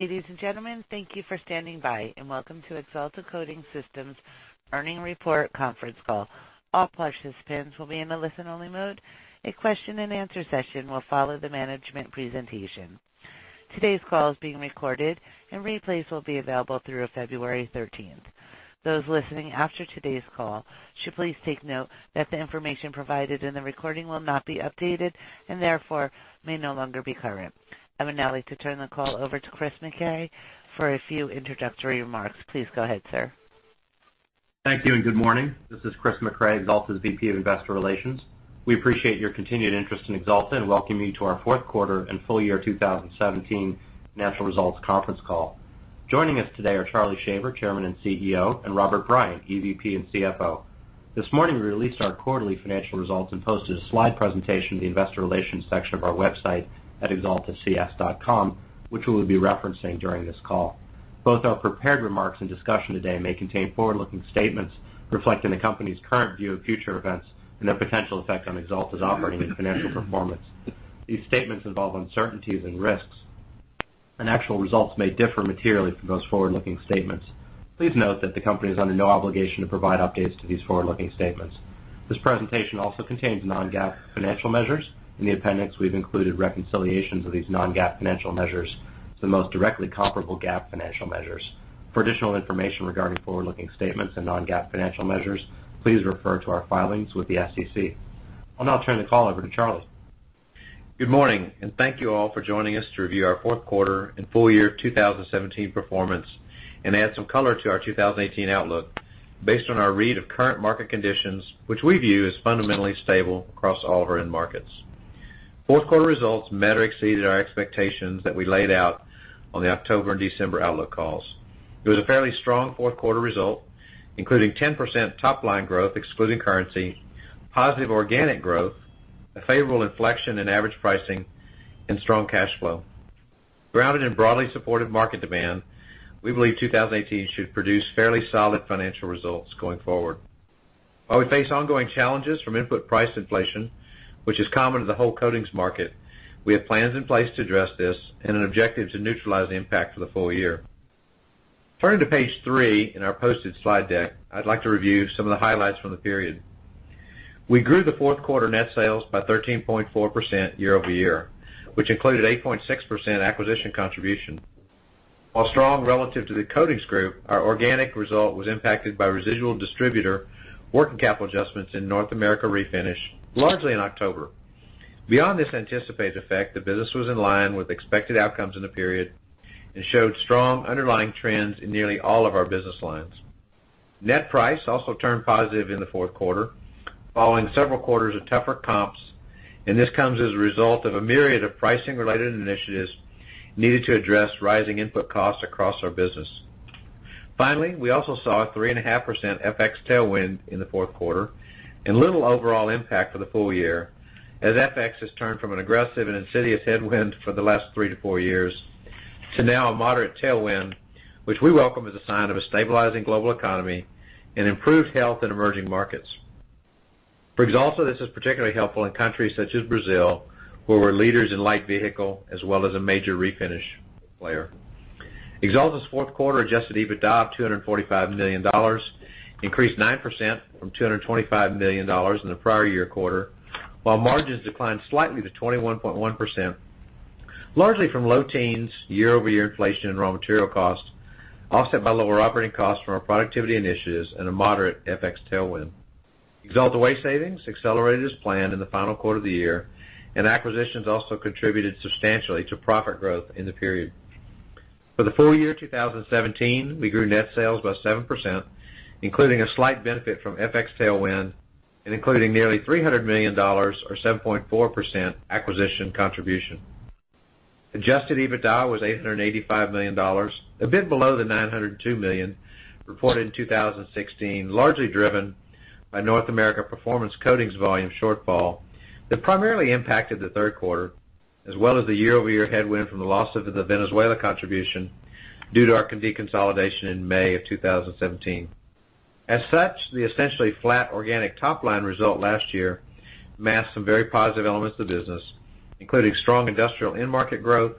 Ladies and gentlemen, thank you for standing by, and welcome to Axalta Coating Systems' earnings report conference call. All participants will be in a listen-only mode. A question and answer session will follow the management presentation. Today's call is being recorded, and replays will be available through February 13th. Those listening after today's call should please take note that the information provided in the recording will not be updated, and therefore, may no longer be current. I would now like to turn the call over to Chris Mecray for a few introductory remarks. Please go ahead, sir. Thank you. Good morning. This is Chris Mecray, Axalta's VP of Investor Relations. We appreciate your continued interest in Axalta and welcome you to our fourth quarter and full year 2017 financial results conference call. Joining us today are Charlie Shaver, Chairman and CEO, and Robert Bryant, EVP and CFO. This morning, we released our quarterly financial results and posted a slide presentation in the Investor Relations section of our website at axaltacs.com, which we will be referencing during this call. Both our prepared remarks and discussion today may contain forward-looking statements reflecting the company's current view of future events and their potential effect on Axalta's operating and financial performance. These statements involve uncertainties and risks, and actual results may differ materially from those forward-looking statements. Please note that the company is under no obligation to provide updates to these forward-looking statements. This presentation also contains non-GAAP financial measures. In the appendix, we've included reconciliations of these non-GAAP financial measures to the most directly comparable GAAP financial measures. For additional information regarding forward-looking statements and non-GAAP financial measures, please refer to our filings with the SEC. I'll now turn the call over to Charlie. Good morning. Thank you all for joining us to review our fourth quarter and full year 2017 performance and add some color to our 2018 outlook based on our read of current market conditions, which we view as fundamentally stable across all of our end markets. Fourth quarter results met or exceeded our expectations that we laid out on the October and December outlook calls. It was a fairly strong fourth quarter result, including 10% top-line growth excluding currency, positive organic growth, a favorable inflection in average pricing, and strong cash flow. Grounded in broadly supported market demand, we believe 2018 should produce fairly solid financial results going forward. While we face ongoing challenges from input price inflation, which is common to the whole coatings market, we have plans in place to address this and an objective to neutralize the impact for the full year. Turning to page three in our posted slide deck, I'd like to review some of the highlights from the period. We grew the fourth quarter net sales by 13.4% year-over-year, which included 8.6% acquisition contribution. While strong relative to the coatings group, our organic result was impacted by residual distributor working capital adjustments in North America Refinish, largely in October. Beyond this anticipated effect, the business was in line with expected outcomes in the period and showed strong underlying trends in nearly all of our business lines. Net price also turned positive in the fourth quarter, following several quarters of tougher comps. This comes as a result of a myriad of pricing-related initiatives needed to address rising input costs across our business. We also saw a 3.5% FX tailwind in the fourth quarter and little overall impact for the full year, as FX has turned from an aggressive and insidious headwind for the last three to four years to now a moderate tailwind, which we welcome as a sign of a stabilizing global economy and improved health in emerging markets. For Axalta, this is particularly helpful in countries such as Brazil, where we're leaders in light vehicle as well as a major refinish player. Axalta's fourth quarter adjusted EBITDA of $245 million increased 9% from $225 million in the prior year quarter, while margins declined slightly to 21.1%, largely from low teens year-over-year inflation in raw material costs, offset by lower operating costs from our productivity initiatives and a moderate FX tailwind. Axalta Way savings accelerated as planned in the final quarter of the year. Acquisitions also contributed substantially to profit growth in the period. For the full year 2017, we grew net sales by 7%, including a slight benefit from FX tailwind and including nearly $300 million or 7.4% acquisition contribution. Adjusted EBITDA was $885 million, a bit below the $902 million reported in 2016, largely driven by North America Performance Coatings volume shortfall that primarily impacted the third quarter, as well as the year-over-year headwind from the loss of the Venezuela contribution due to our deconsolidation in May of 2017. The essentially flat organic top-line result last year masked some very positive elements of the business, including strong industrial end market growth,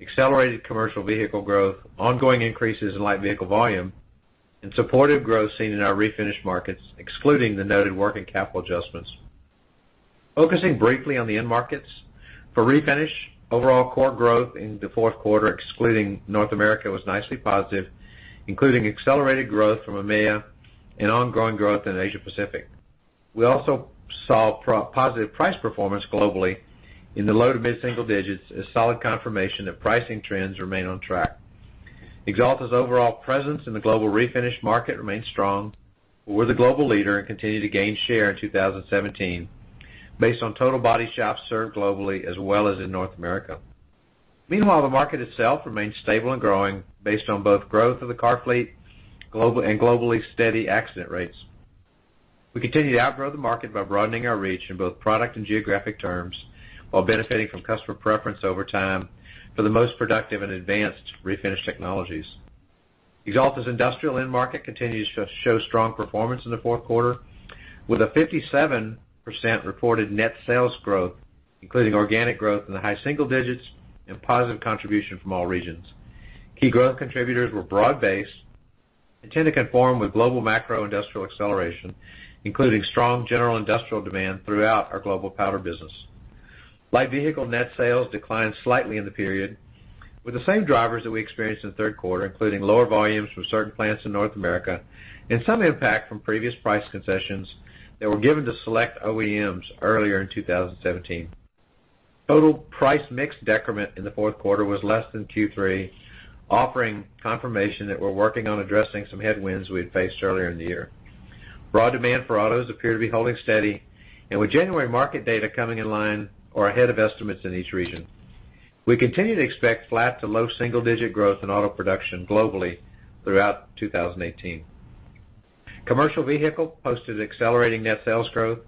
accelerated commercial vehicle growth, ongoing increases in light vehicle volume, and supportive growth seen in our refinish markets, excluding the noted working capital adjustments. Focusing briefly on the end markets, for refinish, overall core growth in the fourth quarter, excluding North America, was nicely positive, including accelerated growth from EMEIA and ongoing growth in Asia Pacific. We also saw positive price performance globally in the low to mid-single digits as solid confirmation that pricing trends remain on track. Axalta's overall presence in the global refinish market remains strong. We're the global leader and continued to gain share in 2017 based on total body shops served globally as well as in North America. The market itself remains stable and growing based on both growth of the car fleet and globally steady accident rates. We continue to outgrow the market by broadening our reach in both product and geographic terms while benefiting from customer preference over time for the most productive and advanced refinish technologies. Axalta's industrial end market continues to show strong performance in the fourth quarter with a 57% reported net sales growth, including organic growth in the high single digits and positive contribution from all regions. Key growth contributors were broad-based and tend to conform with global macro industrial acceleration, including strong general industrial demand throughout our global powder business. Light vehicle net sales declined slightly in the period with the same drivers that we experienced in the third quarter, including lower volumes from certain plants in North America and some impact from previous price concessions that were given to select OEMs earlier in 2017. Total price mix decrement in the fourth quarter was less than Q3, offering confirmation that we're working on addressing some headwinds we had faced earlier in the year. With January market data coming in line or ahead of estimates in each region, we continue to expect flat to low single-digit growth in auto production globally throughout 2018. Commercial vehicle posted accelerating net sales growth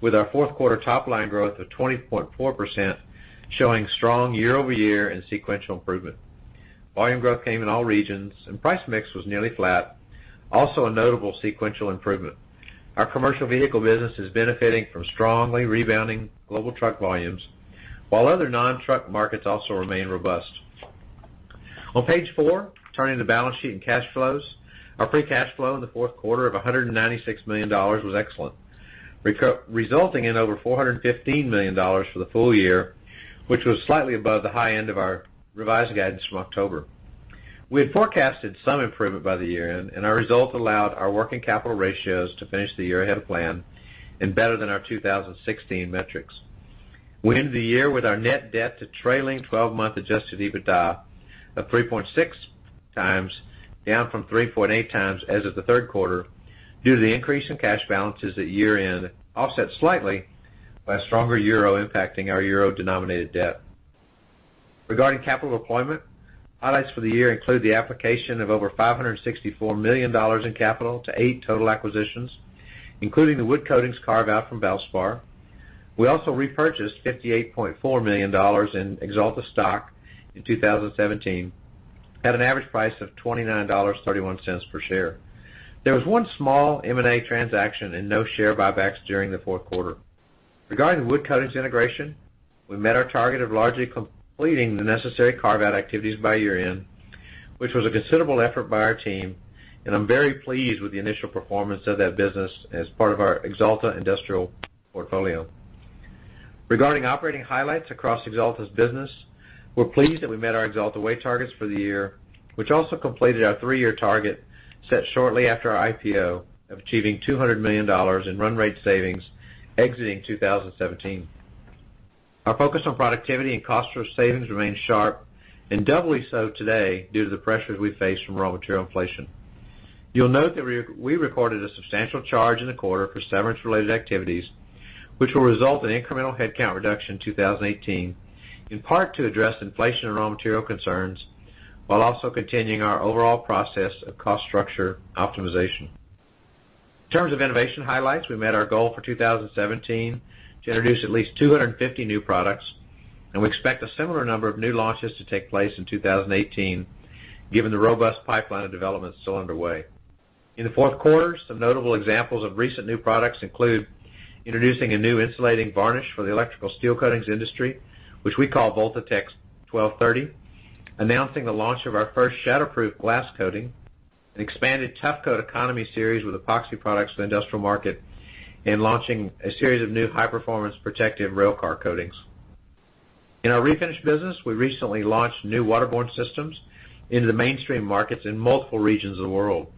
with our fourth quarter top line growth of 20.4%, showing strong year-over-year and sequential improvement. Volume growth came in all regions, and price mix was nearly flat, also a notable sequential improvement. Our commercial vehicle business is benefiting from strongly rebounding global truck volumes, while other non-truck markets also remain robust. On page four, turning to the balance sheet and cash flows. Our free cash flow in the fourth quarter of $196 million was excellent, resulting in over $415 million for the full year, which was slightly above the high end of our revised guidance from October. We had forecasted some improvement by the year-end. Our results allowed our working capital ratios to finish the year ahead of plan and better than our 2016 metrics. We ended the year with our net debt to trailing 12-month adjusted EBITDA of 3.6 times, down from 3.8 times as of the third quarter, due to the increase in cash balances at year-end, offset slightly by a stronger euro impacting our euro-denominated debt. Regarding capital deployment, highlights for the year include the application of over $564 million in capital to eight total acquisitions, including the Wood Coatings carve-out from Valspar. We also repurchased $58.4 million in Axalta stock in 2017 at an average price of $29.31 per share. There was one small M&A transaction and no share buybacks during the fourth quarter. Regarding the Wood Coatings integration, we met our target of largely completing the necessary carve-out activities by year-end, which was a considerable effort by our team, and I'm very pleased with the initial performance of that business as part of our Axalta Industrial portfolio. Regarding operating highlights across Axalta's business, we're pleased that we met our Axalta Way targets for the year, which also completed our three-year target set shortly after our IPO of achieving $200 million in run rate savings exiting 2017. Our focus on productivity and cost for savings remains sharp and doubly so today due to the pressures we face from raw material inflation. You'll note that we recorded a substantial charge in the quarter for severance-related activities, which will result in incremental headcount reduction in 2018, in part to address inflation and raw material concerns, while also continuing our overall process of cost structure optimization. In terms of innovation highlights, we met our goal for 2017 to introduce at least 250 new products, and we expect a similar number of new launches to take place in 2018 given the robust pipeline of developments still underway. In the fourth quarter, some notable examples of recent new products include introducing a new insulating varnish for the electrical steel coatings industry, which we call Voltatex 1230; announcing the launch of our first shatterproof glass coating; an expanded Tufcote Economy series with epoxy products for the industrial market; and launching a series of new high-performance protective railcar coatings. In our refinish business, we recently launched new waterborne systems into the mainstream markets in multiple regions of the world.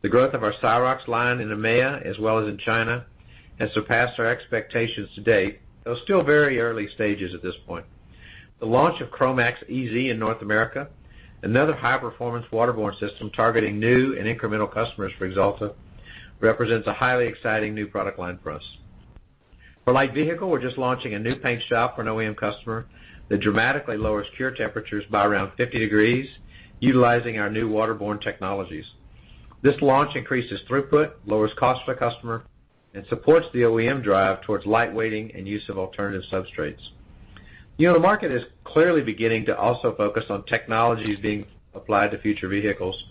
The growth of our Syrox line in EMEA, as well as in China, has surpassed our expectations to date. Though still very early stages at this point. The launch of Cromax EZ in North America, another high-performance waterborne system targeting new and incremental customers for Axalta, represents a highly exciting new product line for us. For light vehicle, we're just launching a new paint shop for an OEM customer that dramatically lowers cure temperatures by around 50 degrees utilizing our new waterborne technologies. This launch increases throughput, lowers cost to the customer, and supports the OEM drive towards light weighting and use of alternative substrates. The auto market is clearly beginning to also focus on technologies being applied to future vehicles,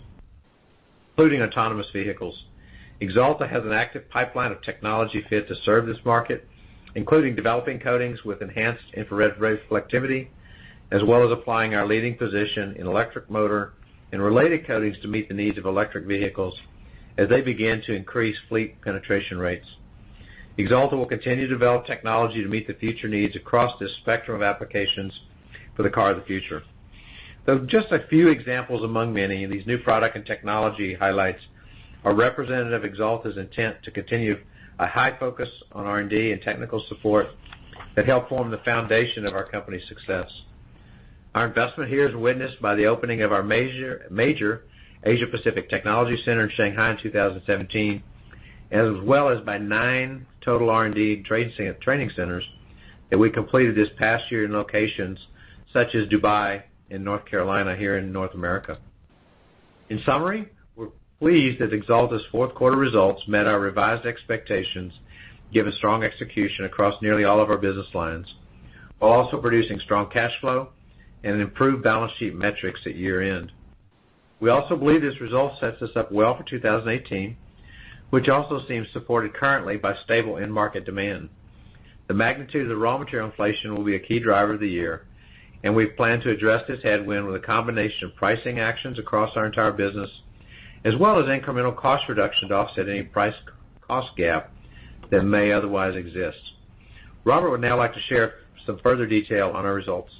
including autonomous vehicles. Axalta has an active pipeline of technology fit to serve this market, including developing coatings with enhanced infrared reflectivity, as well as applying our leading position in electric motor and related coatings to meet the needs of electric vehicles as they begin to increase fleet penetration rates. Axalta will continue to develop technology to meet the future needs across this spectrum of applications for the car of the future. Though just a few examples among many of these new product and technology highlights are representative of Axalta's intent to continue a high focus on R&D and technical support that help form the foundation of our company's success. Our investment here is witnessed by the opening of our major Asia-Pacific Technology Center in Shanghai in 2017, as well as by nine total R&D training centers that we completed this past year in locations such as Dubai and North Carolina here in North America. In summary, we're pleased that Axalta's fourth quarter results met our revised expectations, given strong execution across nearly all of our business lines, while also producing strong cash flow and improved balance sheet metrics at year-end. We also believe this result sets us up well for 2018, which also seems supported currently by stable end market demand. The magnitude of the raw material inflation will be a key driver of the year, and we plan to address this headwind with a combination of pricing actions across our entire business, as well as incremental cost reduction to offset any price cost gap that may otherwise exist. Robert would now like to share some further detail on our results.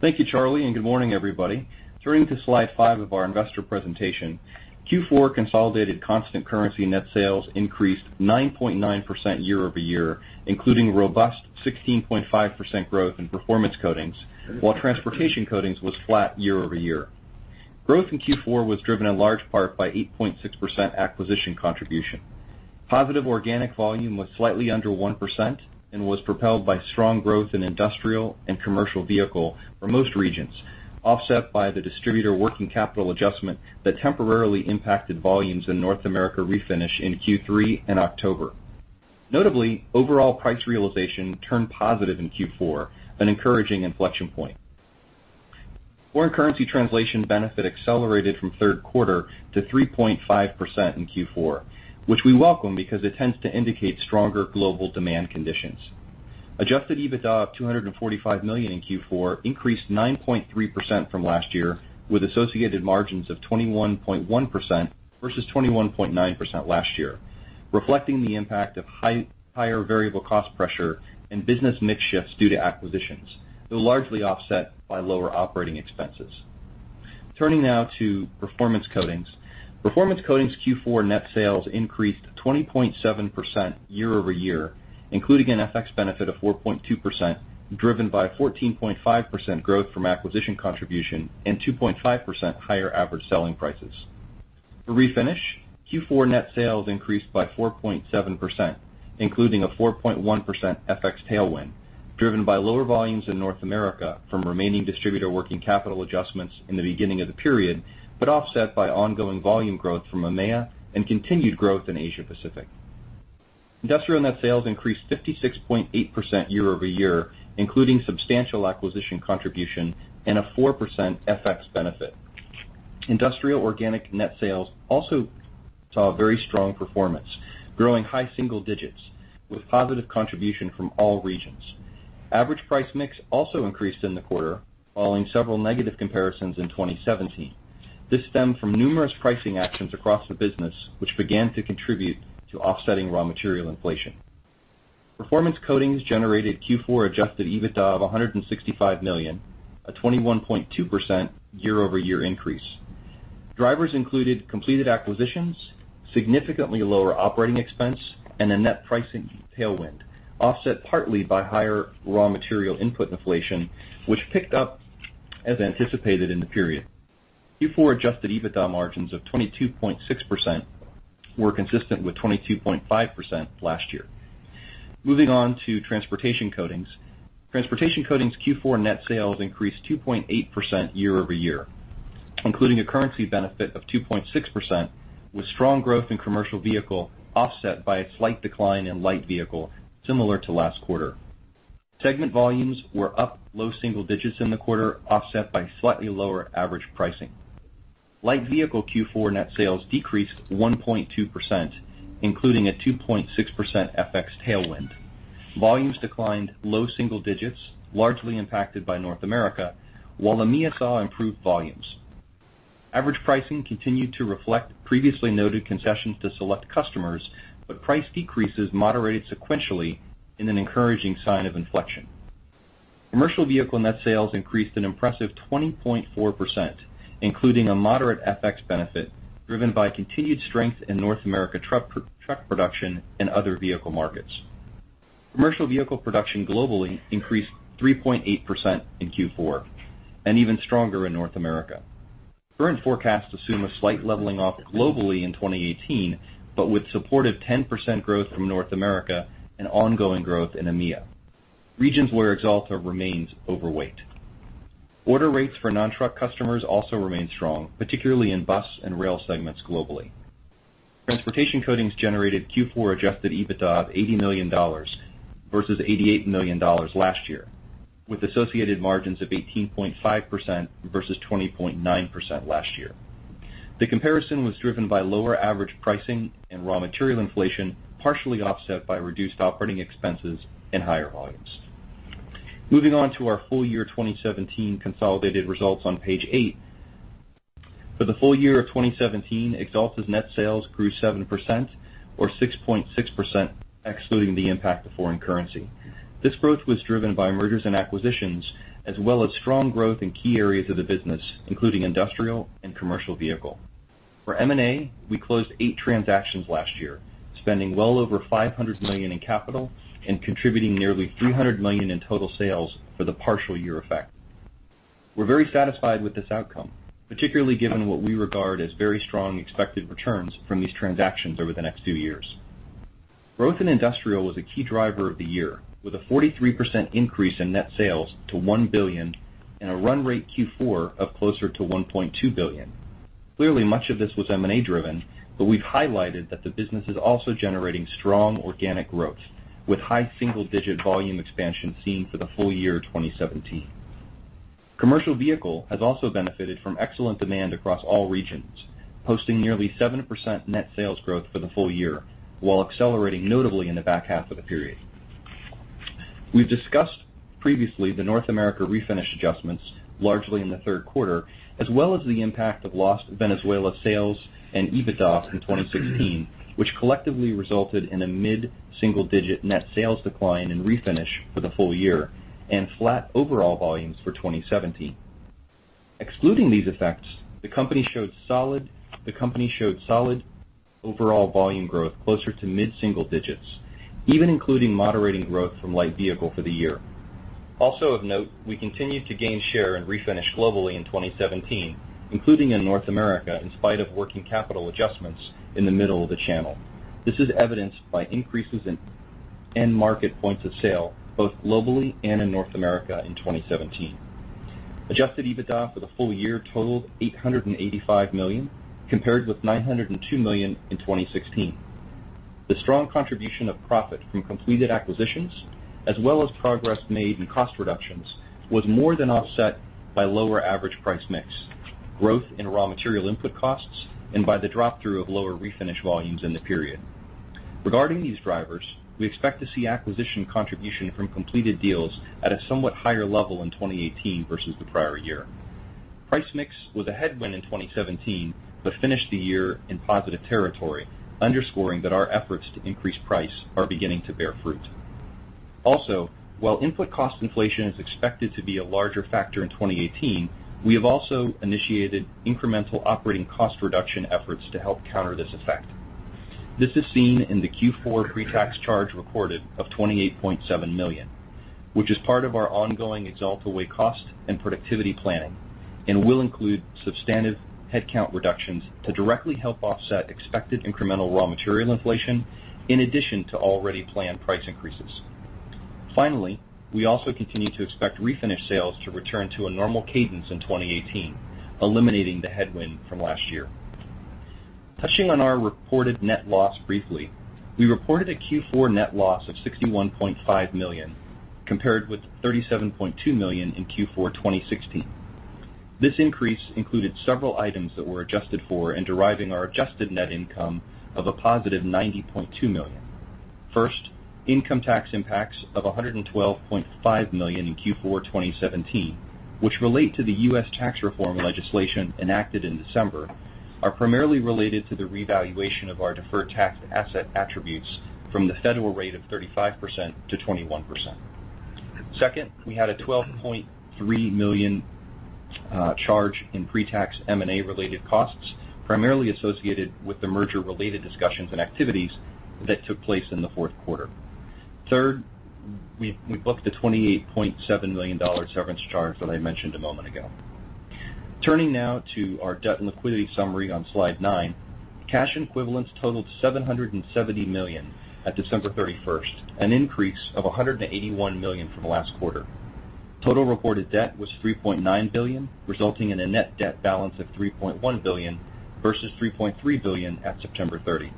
Thank you, Charlie, and good morning, everybody. Turning to slide five of our investor presentation. Q4 consolidated constant currency net sales increased 9.9% year-over-year, including robust 16.5% growth in Performance Coatings, while Transportation Coatings was flat year-over-year. Growth in Q4 was driven in large part by 8.6% acquisition contribution. Positive organic volume was slightly under 1% and was propelled by strong growth in industrial and commercial vehicle for most regions, offset by the distributor working capital adjustment that temporarily impacted volumes in North America Refinish in Q3 and October. Notably, overall price realization turned positive in Q4, an encouraging inflection point. Foreign currency translation benefit accelerated from third quarter to 3.5% in Q4, which we welcome because it tends to indicate stronger global demand conditions. Adjusted EBITDA of $245 million in Q4 increased 9.3% from last year, with associated margins of 21.1% versus 21.9% last year, reflecting the impact of higher variable cost pressure and business mix shifts due to acquisitions, though largely offset by lower operating expenses. Turning now to Performance Coatings. Performance Coatings Q4 net sales increased 20.7% year-over-year, including an FX benefit of 4.2%, driven by 14.5% growth from acquisition contribution and 2.5% higher average selling prices. For Refinish, Q4 net sales increased by 4.7%, including a 4.1% FX tailwind, driven by lower volumes in North America from remaining distributor working capital adjustments in the beginning of the period, but offset by ongoing volume growth from EMEA and continued growth in Asia Pacific. Industrial net sales increased 56.8% year-over-year, including substantial acquisition contribution and a 4% FX benefit. Industrial organic net sales also saw a very strong performance, growing high single digits with positive contribution from all regions. Average price mix also increased in the quarter, following several negative comparisons in 2017. This stemmed from numerous pricing actions across the business, which began to contribute to offsetting raw material inflation. Performance Coatings generated Q4 Adjusted EBITDA of $165 million, a 21.2% year-over-year increase. Drivers included completed acquisitions, significantly lower operating expense, and a net pricing tailwind, offset partly by higher raw material input inflation, which picked up as anticipated in the period. Q4 Adjusted EBITDA margins of 22.6% were consistent with 22.5% last year. Moving on to Transportation Coatings. Transportation Coatings Q4 net sales increased 2.8% year-over-year, including a currency benefit of 2.6%, with strong growth in commercial vehicle offset by a slight decline in light vehicle, similar to last quarter. Segment volumes were up low single digits in the quarter, offset by slightly lower average pricing. Light vehicle Q4 net sales decreased 1.2%, including a 2.6% FX tailwind. Volumes declined low single digits, largely impacted by North America, while EMEA saw improved volumes. Average pricing continued to reflect previously noted concessions to select customers, but price decreases moderated sequentially in an encouraging sign of inflection. Commercial vehicle net sales increased an impressive 20.4%, including a moderate FX benefit driven by continued strength in North America truck production and other vehicle markets. Commercial vehicle production globally increased 3.8% in Q4, and even stronger in North America. Current forecasts assume a slight leveling off globally in 2018, but with supportive 10% growth from North America and ongoing growth in EMEA, regions where Axalta remains overweight. Order rates for non-truck customers also remain strong, particularly in bus and rail segments globally. Transportation Coatings generated Q4 adjusted EBITDA of $80 million versus $88 million last year, with associated margins of 18.5% versus 20.9% last year. The comparison was driven by lower average pricing and raw material inflation, partially offset by reduced operating expenses and higher volumes. Moving on to our full year 2017 consolidated results on page eight. For the full year of 2017, Axalta's net sales grew 7%, or 6.6% excluding the impact of foreign currency. This growth was driven by mergers and acquisitions, as well as strong growth in key areas of the business, including industrial and commercial vehicle. For M&A, we closed eight transactions last year, spending well over $500 million in capital and contributing nearly $300 million in total sales for the partial year effect. We're very satisfied with this outcome, particularly given what we regard as very strong expected returns from these transactions over the next few years. Growth in industrial was a key driver of the year, with a 43% increase in net sales to $1 billion and a run rate Q4 of closer to $1.2 billion. Clearly, much of this was M&A driven, but we've highlighted that the business is also generating strong organic growth, with high single-digit volume expansion seen for the full year 2017. Commercial vehicle has also benefited from excellent demand across all regions, posting nearly 7% net sales growth for the full year, while accelerating notably in the back half of the period. We've discussed previously the North America refinish adjustments, largely in the third quarter, as well as the impact of lost Venezuela sales and EBITDA in 2016, which collectively resulted in a mid-single-digit net sales decline in refinish for the full year and flat overall volumes for 2017. Excluding these effects, the company showed solid overall volume growth closer to mid-single-digits, even including moderating growth from light vehicle for the year. Also of note, we continued to gain share in refinish globally in 2017, including in North America, in spite of working capital adjustments in the middle of the channel. This is evidenced by increases in end market points of sale, both globally and in North America in 2017. Adjusted EBITDA for the full year totaled $885 million, compared with $902 million in 2016. The strong contribution of profit from completed acquisitions, as well as progress made in cost reductions, was more than offset by lower average price mix, growth in raw material input costs, and by the drop-through of lower refinish volumes in the period. Regarding these drivers, we expect to see acquisition contribution from completed deals at a somewhat higher level in 2018 versus the prior year. Price mix was a headwind in 2017, but finished the year in positive territory, underscoring that our efforts to increase price are beginning to bear fruit. While input cost inflation is expected to be a larger factor in 2018, we have also initiated incremental operating cost reduction efforts to help counter this effect. This is seen in the Q4 pretax charge recorded of $28.7 million, which is part of our ongoing Axalta Way cost and productivity planning and will include substantive headcount reductions to directly help offset expected incremental raw material inflation, in addition to already planned price increases. Finally, we also continue to expect refinish sales to return to a normal cadence in 2018, eliminating the headwind from last year. Touching on our reported net loss briefly, we reported a Q4 net loss of $61.5 million, compared with $37.2 million in Q4 2016. This increase included several items that were adjusted for in deriving our adjusted net income of a positive $90.2 million. First, income tax impacts of $112.5 million in Q4 2017, which relate to the US Tax Reform Legislation enacted in December, are primarily related to the revaluation of our deferred tax asset attributes from the federal rate of 35% to 21%. Second, we had a $12.3 million charge in pretax M&A-related costs, primarily associated with the merger-related discussions and activities that took place in the fourth quarter. Third, we booked the $28.7 million severance charge that I mentioned a moment ago. Turning now to our debt and liquidity summary on slide nine, cash equivalents totaled $770 million at December 31st, an increase of $181 million from last quarter. Total reported debt was $3.9 billion, resulting in a net debt balance of $3.1 billion versus $3.3 billion at September 30.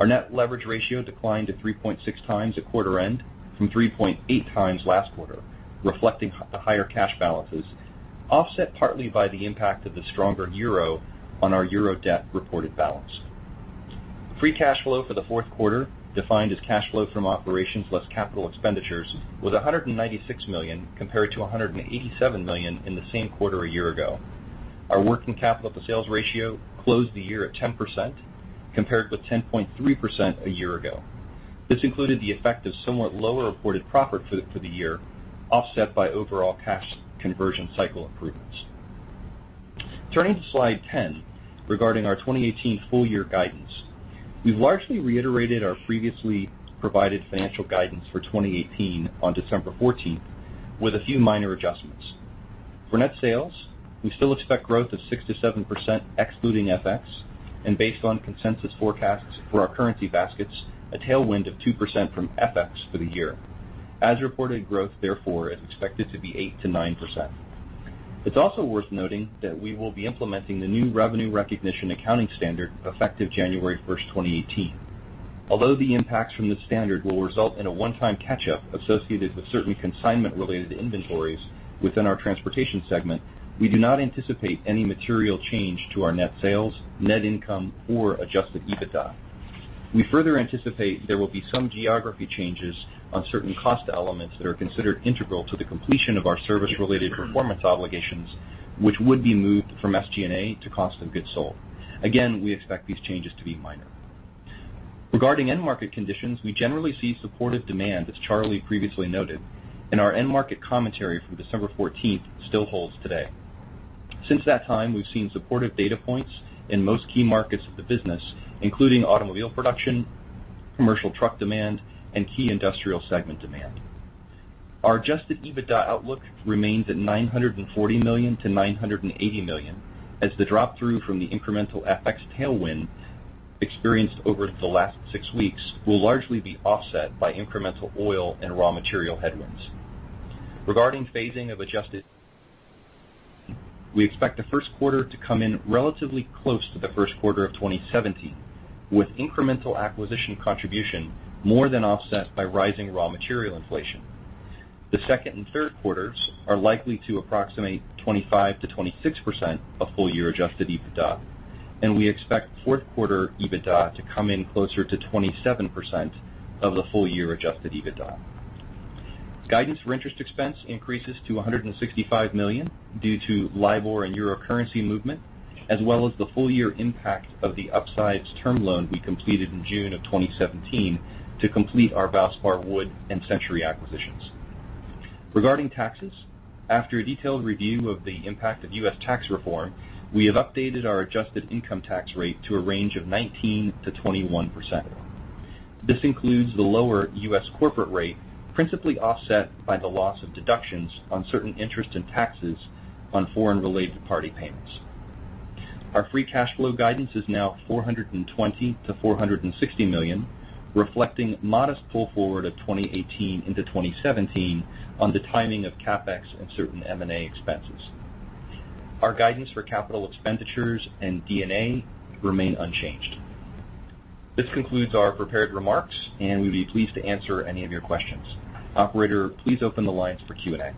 Our net leverage ratio declined to 3.6 times at quarter end from 3.8 times last quarter, reflecting the higher cash balances, offset partly by the impact of the stronger euro on our EUR debt reported balance. Free cash flow for the fourth quarter, defined as cash flow from operations plus capital expenditures, was $196 million, compared to $187 million in the same quarter a year ago. Our working capital to sales ratio closed the year at 10%, compared with 10.3% a year ago. This included the effect of somewhat lower reported profit for the year, offset by overall cash conversion cycle improvements. Turning to slide 10, regarding our 2018 full year guidance. We've largely reiterated our previously provided financial guidance for 2018 on December 14th, with a few minor adjustments. For net sales, we still expect growth of 6%-7% excluding FX, and based on consensus forecasts for our currency baskets, a tailwind of 2% from FX for the year. As reported growth, therefore, is expected to be 8%-9%. It's also worth noting that we will be implementing the new revenue recognition accounting standard effective January 1st, 2018. Although the impacts from this standard will result in a one-time catch-up associated with certain consignment-related inventories within our Transportation Coatings, we do not anticipate any material change to our net sales, net income, or adjusted EBITDA. We further anticipate there will be some geography changes on certain cost elements that are considered integral to the completion of our service-related performance obligations, which would be moved from SG&A to cost of goods sold. Again, we expect these changes to be minor. Regarding end market conditions, we generally see supportive demand, as Charlie previously noted, and our end market commentary from December 14th still holds today. Since that time, we've seen supportive data points in most key markets of the business, including automobile production, commercial truck demand, and key industrial segment demand. Our adjusted EBITDA outlook remains at $940 million to $980 million, as the drop-through from the incremental FX tailwind experienced over the last six weeks will largely be offset by incremental oil and raw material headwinds. Regarding phasing of adjusted, we expect the first quarter to come in relatively close to the first quarter of 2017, with incremental acquisition contribution more than offset by rising raw material inflation. The second and third quarters are likely to approximate 25%-26% of full-year adjusted EBITDA, and we expect fourth quarter EBITDA to come in closer to 27% of the full-year adjusted EBITDA. Guidance for interest expense increases to $165 million due to LIBOR and euro currency movement, as well as the full-year impact of the upsized term loan we completed in June of 2017 to complete our Valspar Wood and Century acquisitions. Regarding taxes, after a detailed review of the impact of U.S. Tax Reform, we have updated our adjusted income tax rate to a range of 19%-21%. This includes the lower U.S. corporate rate, principally offset by the loss of deductions on certain interest and taxes on foreign related party payments. Our free cash flow guidance is now $420 million-$460 million, reflecting modest pull forward of 2018 into 2017 on the timing of CapEx and certain M&A expenses. Our guidance for capital expenditures and D&A remain unchanged. This concludes our prepared remarks, and we would be pleased to answer any of your questions. Operator, please open the lines for Q&A.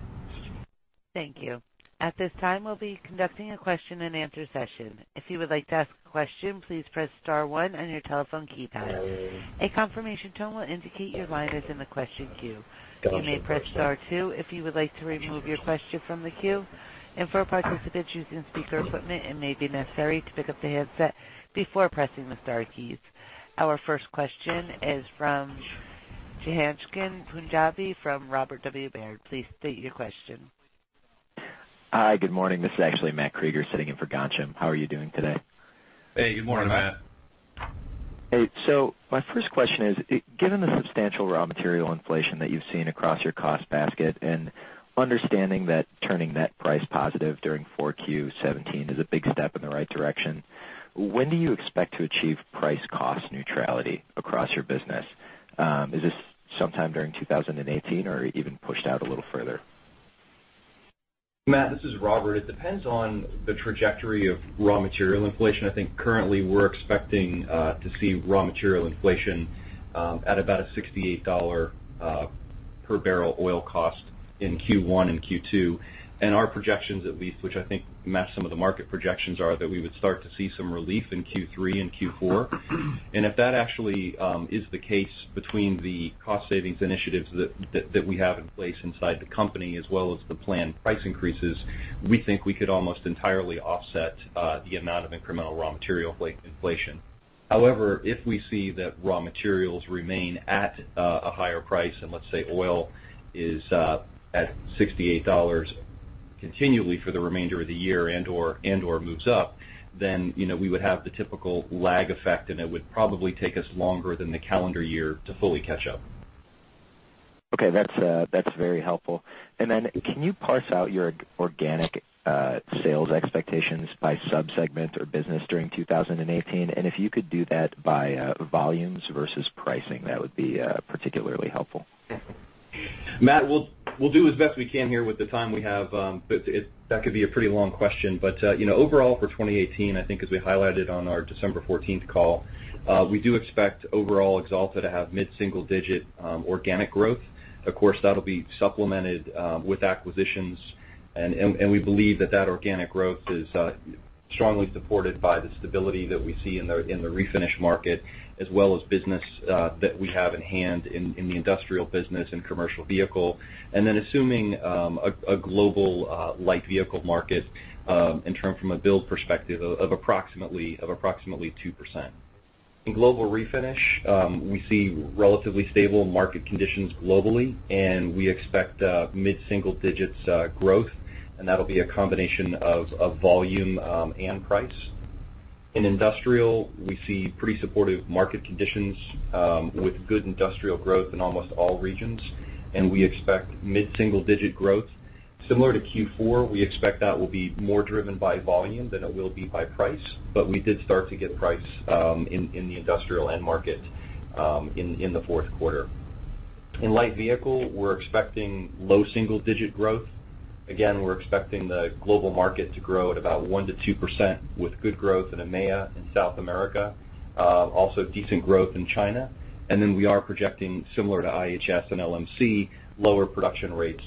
Thank you. At this time, we'll be conducting a question and answer session. If you would like to ask a question, please press star one on your telephone keypad. A confirmation tone will indicate your line is in the question queue. You may press star two if you would like to remove your question from the queue. For participants using speaker equipment, it may be necessary to pick up the headset before pressing the star keys. Our first question is from Ghansham Panjabi from Robert W. Baird. Please state your question. Hi. Good morning. This is actually Matt Krueger sitting in for Ghansham. How are you doing today? Hey, good morning, Matt. Hey. My first question is, given the substantial raw material inflation that you've seen across your cost basket and understanding that turning net price positive during Q4 2017 is a big step in the right direction, when do you expect to achieve price cost neutrality across your business? Is this sometime during 2018 or even pushed out a little further? Matt, this is Robert. It depends on the trajectory of raw material inflation. I think currently we're expecting to see raw material inflation at about a $68 per barrel oil cost in Q1 and Q2. Our projections, at least, which I think match some of the market projections are that we would start to see some relief in Q3 and Q4. If that actually is the case between the cost savings initiatives that we have in place inside the company as well as the planned price increases, we think we could almost entirely offset the amount of incremental raw material inflation. If we see that raw materials remain at a higher price, and let's say oil is at $68 continually for the remainder of the year and/or moves up, then we would have the typical lag effect, and it would probably take us longer than the calendar year to fully catch up. Okay. That's very helpful. Can you parse out your organic sales expectations by sub-segment or business during 2018? If you could do that by volumes versus pricing, that would be particularly helpful. Matt, we'll do as best we can here with the time we have. That could be a pretty long question. Overall for 2018, I think as we highlighted on our December 14th call, we do expect overall Axalta to have mid-single digit organic growth. Of course, that'll be supplemented with acquisitions. We believe that that organic growth is strongly supported by the stability that we see in the refinish market as well as business that we have in hand in the industrial business and commercial vehicle. Assuming a global light vehicle market in term from a build perspective of approximately 2%. In global refinish, we see relatively stable market conditions globally, we expect mid-single digits growth, and that'll be a combination of volume and price. In industrial, we see pretty supportive market conditions with good industrial growth in almost all regions, we expect mid-single digit growth. Similar to Q4, we expect that will be more driven by volume than it will be by price, we did start to get price in the industrial end market in the fourth quarter. In light vehicle, we're expecting low single digit growth. Again, we're expecting the global market to grow at about 1%-2% with good growth in EMEIA and South America, also decent growth in China. We are projecting similar to IHS and LMC, lower production rates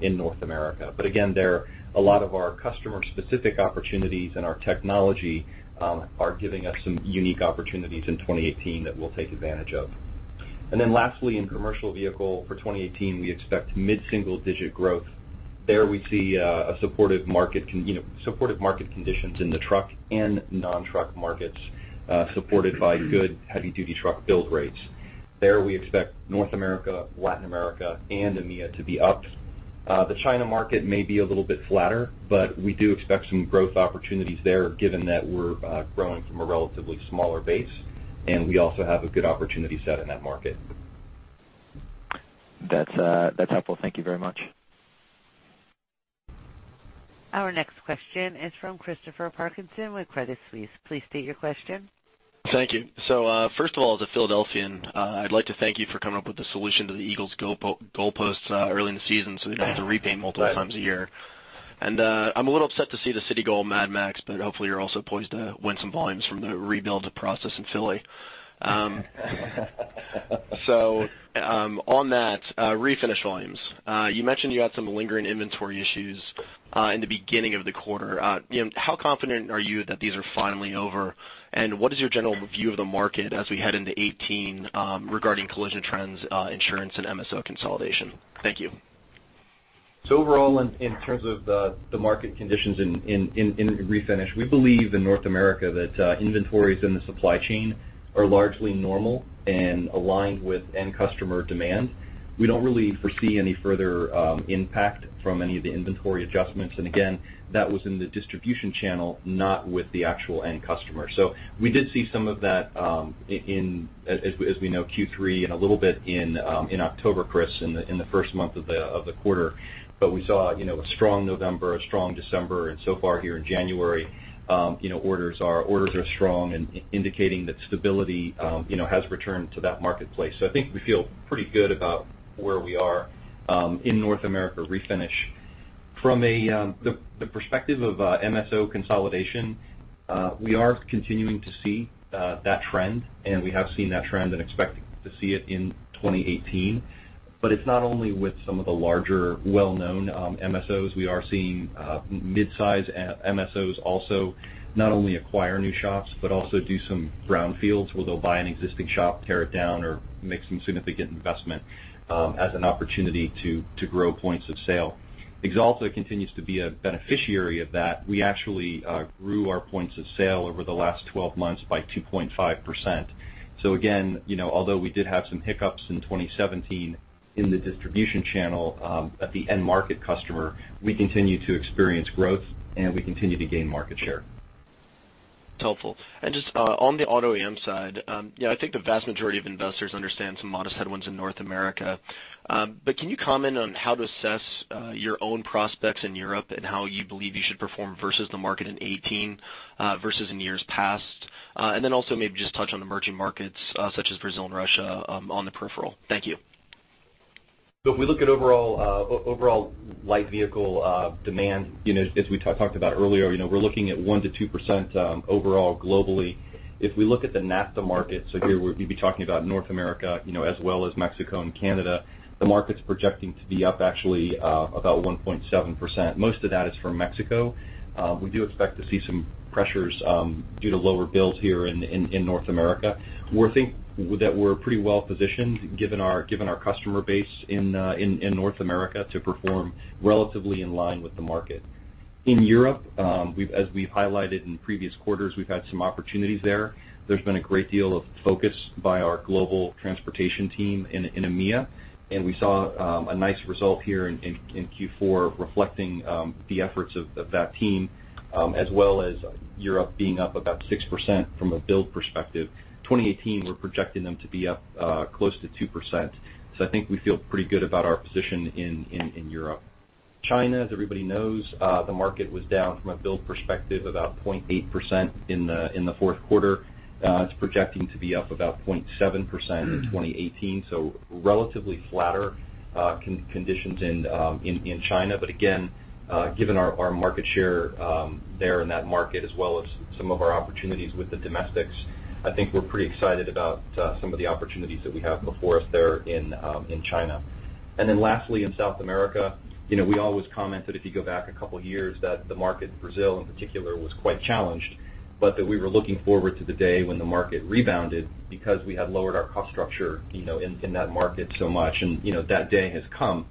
in North America. Again, there, a lot of our customer specific opportunities and our technology are giving us some unique opportunities in 2018 that we'll take advantage of. Lastly, in commercial vehicle for 2018, we expect mid-single digit growth. We see supportive market conditions in the truck and non-truck markets supported by good heavy-duty truck build rates. We expect North America, Latin America, and EMEIA to be up. The China market may be a little bit flatter, we do expect some growth opportunities there given that we're growing from a relatively smaller base, we also have a good opportunity set in that market. That's helpful. Thank you very much. Our next question is from Christopher Parkinson with Credit Suisse. Please state your question. Thank you. First of all, as a Philadelphian, I'd like to thank you for coming up with a solution to the Eagles goalposts early in the season, so we don't have to repaint multiple times a year. I'm a little upset to see the city go Mad Max, hopefully you're also poised to win some volumes from the rebuild process in Philly. On that, Refinish volumes, you mentioned you had some lingering inventory issues, in the beginning of the quarter. How confident are you that these are finally over? What is your general view of the market as we head into 2018, regarding collision trends, insurance, and MSO consolidation? Thank you. Overall, in terms of the market conditions in Refinish, we believe in North America that inventories in the supply chain are largely normal and aligned with end customer demand. We don't really foresee any further impact from any of the inventory adjustments. Again, that was in the distribution channel, not with the actual end customer. We did see some of that, as we know, Q3 and a little bit in October, Chris, in the first month of the quarter. We saw a strong November, a strong December, and so far here in January, orders are strong and indicating that stability has returned to that marketplace. I think we feel pretty good about where we are in North America Refinish. From the perspective of MSO consolidation, we are continuing to see that trend, and we have seen that trend and expect to see it in 2018. It's not only with some of the larger, well-known MSOs. We are seeing mid-size MSOs also not only acquire new shops but also do some brownfields where they'll buy an existing shop, tear it down, or make some significant investment, as an opportunity to grow points of sale. Axalta continues to be a beneficiary of that. We actually grew our points of sale over the last 12 months by 2.5%. Again, although we did have some hiccups in 2017 in the distribution channel, at the end market customer, we continue to experience growth and we continue to gain market share. It's helpful. Just on the auto OEM side, I think the vast majority of investors understand some modest headwinds in North America. Can you comment on how to assess your own prospects in Europe and how you believe you should perform versus the market in 2018, versus in years past? Also maybe just touch on emerging markets such as Brazil and Russia, on the peripheral. Thank you. If we look at overall light vehicle demand, as we talked about earlier, we're looking at 1%-2% overall globally. If we look at the NAFTA market, here we'd be talking about North America as well as Mexico and Canada, the market's projecting to be up actually about 1.7%. Most of that is from Mexico. We do expect to see some pressures due to lower builds here in North America. We think that we're pretty well-positioned, given our customer base in North America, to perform relatively in line with the market. In Europe, as we've highlighted in previous quarters, we've had some opportunities there. There's been a great deal of focus by our global Transportation team in EMEIA, and we saw a nice result here in Q4 reflecting the efforts of that team, as well as Europe being up about 6% from a build perspective. 2018, we're projecting them to be up close to 2%. I think we feel pretty good about our position in Europe. China, as everybody knows, the market was down from a build perspective about 0.8% in the fourth quarter. It's projecting to be up about 0.7% in 2018. Relatively flatter conditions in China. Again, given our market share there in that market as well as some of our opportunities with the domestics, I think we're pretty excited about some of the opportunities that we have before us there in China. Lastly, in South America, we always commented, if you go back a couple of years, that the market, Brazil in particular, was quite challenged, but that we were looking forward to the day when the market rebounded because we had lowered our cost structure in that market so much. That day has come.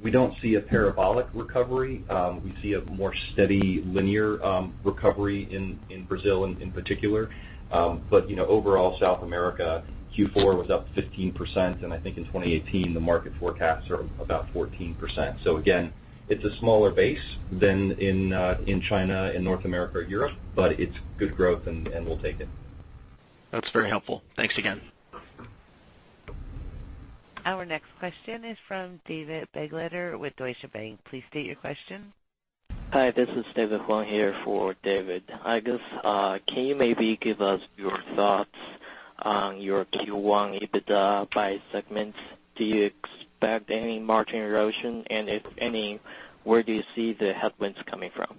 We don't see a parabolic recovery. We see a more steady, linear recovery in Brazil in particular. Overall South America, Q4 was up 15%, and I think in 2018, the market forecasts are about 14%. Again, it's a smaller base than in China, in North America or Europe, but it's good growth, and we'll take it. That's very helpful. Thanks again. Our next question is from David Begleiter with Deutsche Bank. Please state your question. Hi, this is David Huang here for David. I guess, can you maybe give us your thoughts on your Q1 EBITDA by segment? Do you expect any margin erosion, and if any, where do you see the headwinds coming from?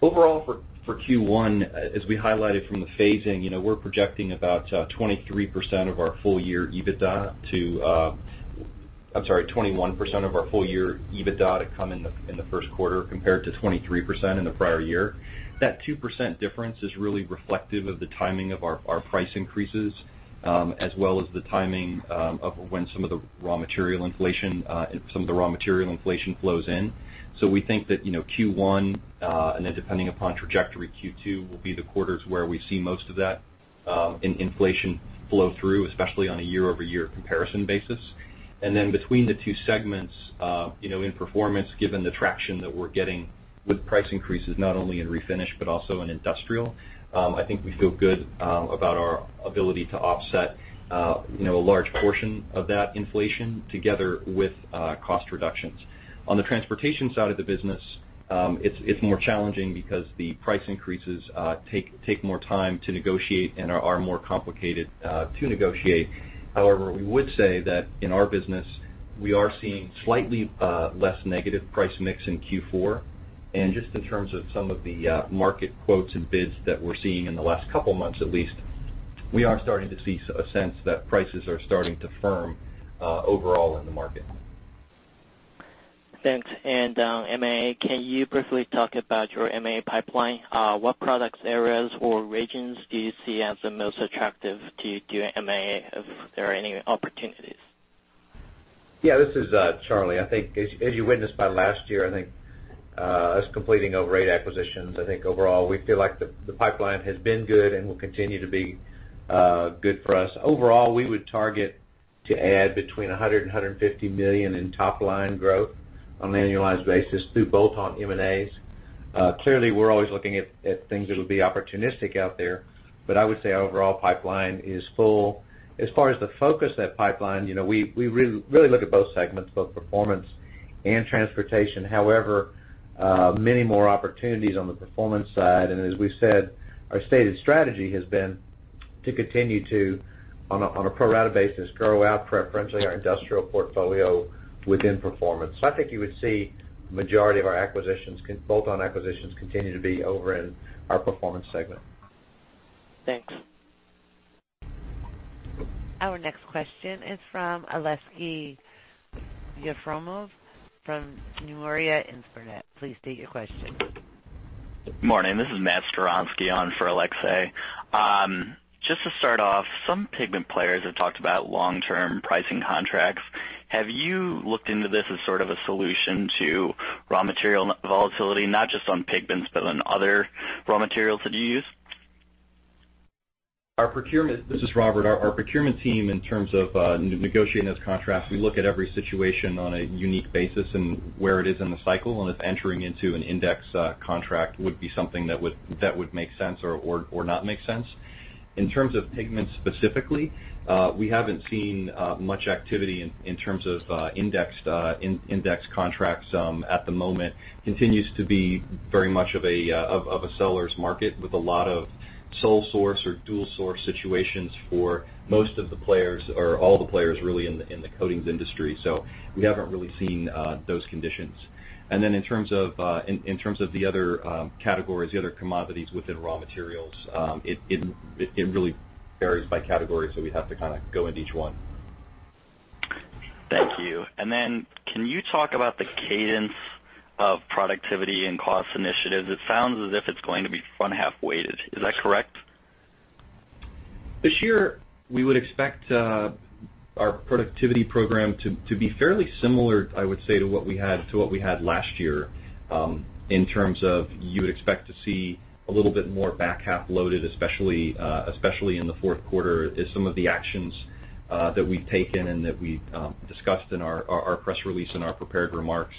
Overall for Q1, as we highlighted from the phasing, we're projecting about 23% of our full year EBITDA to I'm sorry, 21% of our full year EBITDA to come in the first quarter compared to 23% in the prior year. That 2% difference is really reflective of the timing of our price increases, as well as the timing of when some of the raw material inflation flows in. We think that Q1, and then depending upon trajectory, Q2, will be the quarters where we see most of that inflation flow through, especially on a year-over-year comparison basis. Between the two segments, in Performance, given the traction that we're getting with price increases, not only in Refinish but also in Industrial. I think we feel good about our ability to offset a large portion of that inflation together with cost reductions. On the Transportation side of the business, it's more challenging because the price increases take more time to negotiate and are more complicated to negotiate. However, we would say that in our business, we are seeing slightly less negative price mix in Q4. Just in terms of some of the market quotes and bids that we're seeing in the last couple of months at least, we are starting to see a sense that prices are starting to firm overall in the market. Thanks. M&A, can you briefly talk about your M&A pipeline? What products, areas, or regions do you see as the most attractive to do M&A, if there are any opportunities? Yeah. This is Charlie. As you witnessed by last year, us completing over eight acquisitions, overall, we feel like the pipeline has been good and will continue to be good for us. Overall, we would target to add between $100 million-$150 million in top-line growth on an annualized basis through bolt-on M&As. Clearly, we're always looking at things that will be opportunistic out there. I would say overall pipeline is full. As far as the focus of that pipeline, we really look at both segments, both Performance and Transportation. However, many more opportunities on the Performance side. As we've said, our stated strategy has been to continue to, on a pro rata basis, grow out preferentially our industrial portfolio within Performance. I think you would see majority of our acquisitions, bolt-on acquisitions continue to be over in our Performance segment. Thanks. Our next question is from Aleksey Yefremov from Nomura Instinet. Please state your question. Morning. This is Matt Skowronski on for Aleksey. Some pigment players have talked about long-term pricing contracts. Have you looked into this as sort of a solution to raw material volatility, not just on pigments, but on other raw materials that you use? This is Robert. Our procurement team, in terms of negotiating those contracts, we look at every situation on a unique basis and where it is in the cycle, and if entering into an index contract would be something that would make sense or not make sense. In terms of pigments specifically, we haven't seen much activity in terms of indexed contracts at the moment. Continues to be very much of a seller's market with a lot of sole source or dual source situations for most of the players or all the players really in the coatings industry. We haven't really seen those conditions. In terms of the other categories, the other commodities within raw materials, it really varies by category, so we'd have to kind of go into each one. Thank you. Then can you talk about the cadence of productivity and cost initiatives? It sounds as if it's going to be front-half weighted. Is that correct? This year, we would expect our productivity program to be fairly similar, I would say, to what we had last year, in terms of you would expect to see a little bit more back half-loaded, especially in the fourth quarter, as some of the actions that we've taken and that we discussed in our press release and our prepared remarks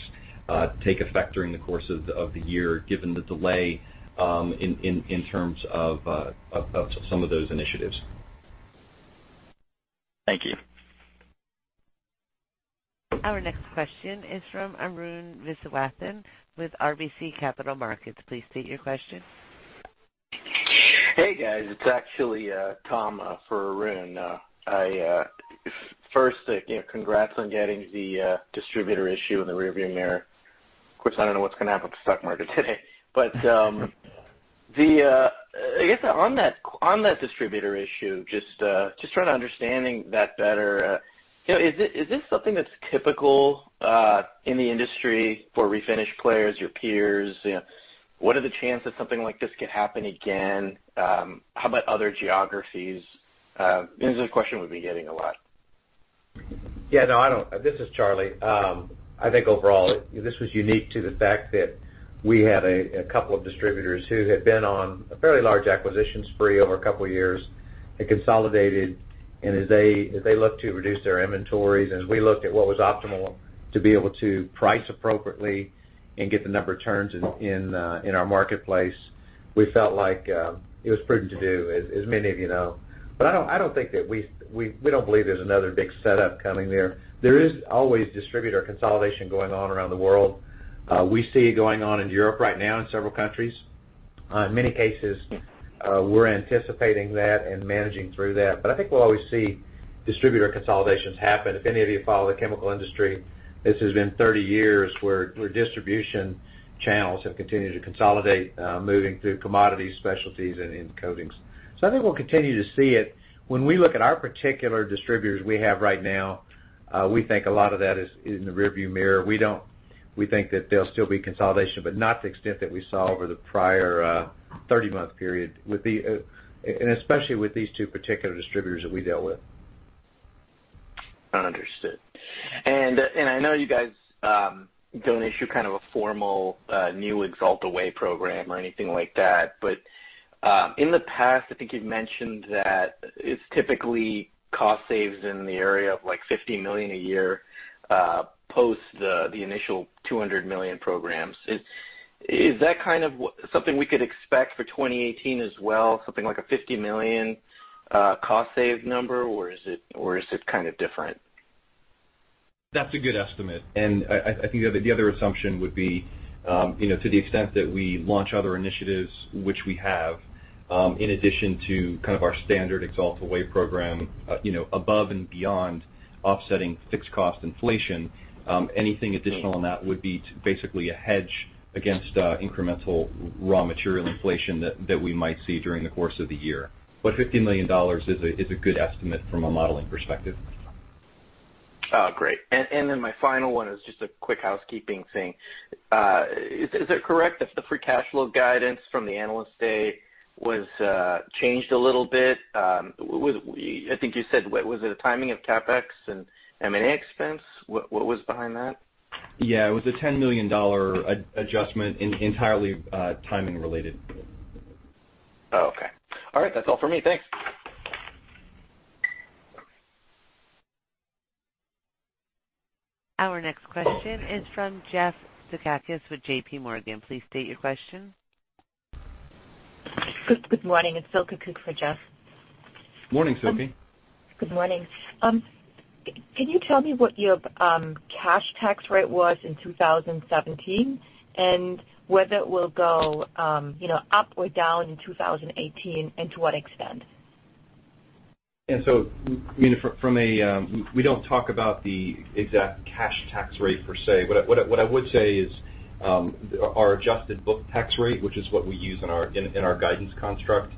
take effect during the course of the year, given the delay in terms of some of those initiatives. Thank you. Our next question is from Arun with RBC Capital Markets. Please state your question. Hey, guys. It's actually Tom for Arun. First, congrats on getting the distributor issue in the rear-view mirror. Of course, I don't know what's going to happen with the stock market today. I guess on that distributor issue, just trying to understand that better. Is this something that's typical in the industry for Refinish players, your peers? What are the chances something like this could happen again? How about other geographies? This is a question we've been getting a lot. Yeah. No, I don't. This is Charlie. I think overall, this was unique to the fact that we had a couple of distributors who had been on a fairly large acquisition spree over a couple of years. It consolidated, as they looked to reduce their inventories, as we looked at what was optimal to be able to price appropriately and get the number of turns in our marketplace, we felt like it was prudent to do, as many of you know. We don't believe there's another big setup coming there. There is always distributor consolidation going on around the world. We see it going on in Europe right now in several countries. In many cases, we're anticipating that and managing through that. I think we'll always see distributor consolidations happen. If any of you follow the chemical industry, this has been 30 years where distribution channels have continued to consolidate, moving through commodities, specialties, and in coatings. I think we'll continue to see it. When we look at our particular distributors we have right now, we think a lot of that is in the rear-view mirror. We think that there'll still be consolidation, but not to the extent that we saw over the prior 30-month period, and especially with these two particular distributors that we deal with. Understood. I know you guys don't issue kind of a formal new Axalta Way program or anything like that. In the past, I think you've mentioned that it's typically cost saves in the area of like $50 million a year. post the initial $200 million programs. Is that kind of something we could expect for 2018 as well? Something like a $50 million cost save number, or is it kind of different? That's a good estimate. I think the other assumption would be, to the extent that we launch other initiatives, which we have, in addition to kind of our standard Axalta Way program, above and beyond offsetting fixed cost inflation. Anything additional on that would be basically a hedge against incremental raw material inflation that we might see during the course of the year. $50 million is a good estimate from a modeling perspective. Oh, great. My final one is just a quick housekeeping thing. Is it correct that the free cash flow guidance from the Analyst Day was changed a little bit? I think you said, was it a timing of CapEx and M&A expense? What was behind that? Yeah. It was a $10 million adjustment entirely timing related. Oh, okay. All right. That's all for me. Thanks. Our next question is from Jeff Zekauskas with JPMorgan. Please state your question. Good morning. It's Silke Kueck for Jeff. Morning, Silke. Good morning. Can you tell me what your cash tax rate was in 2017, and whether it will go up or down in 2018, and to what extent? We don't talk about the exact cash tax rate per se. What I would say is, our adjusted book tax rate, which is what we use in our guidance construct.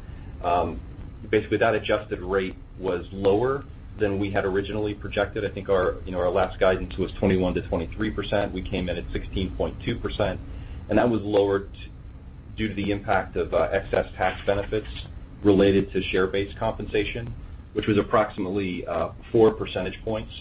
Basically that adjusted rate was lower than we had originally projected. I think our last guidance was 21%-23%. We came in at 16.2%, and that was lower due to the impact of excess tax benefits related to share-based compensation, which was approximately four percentage points.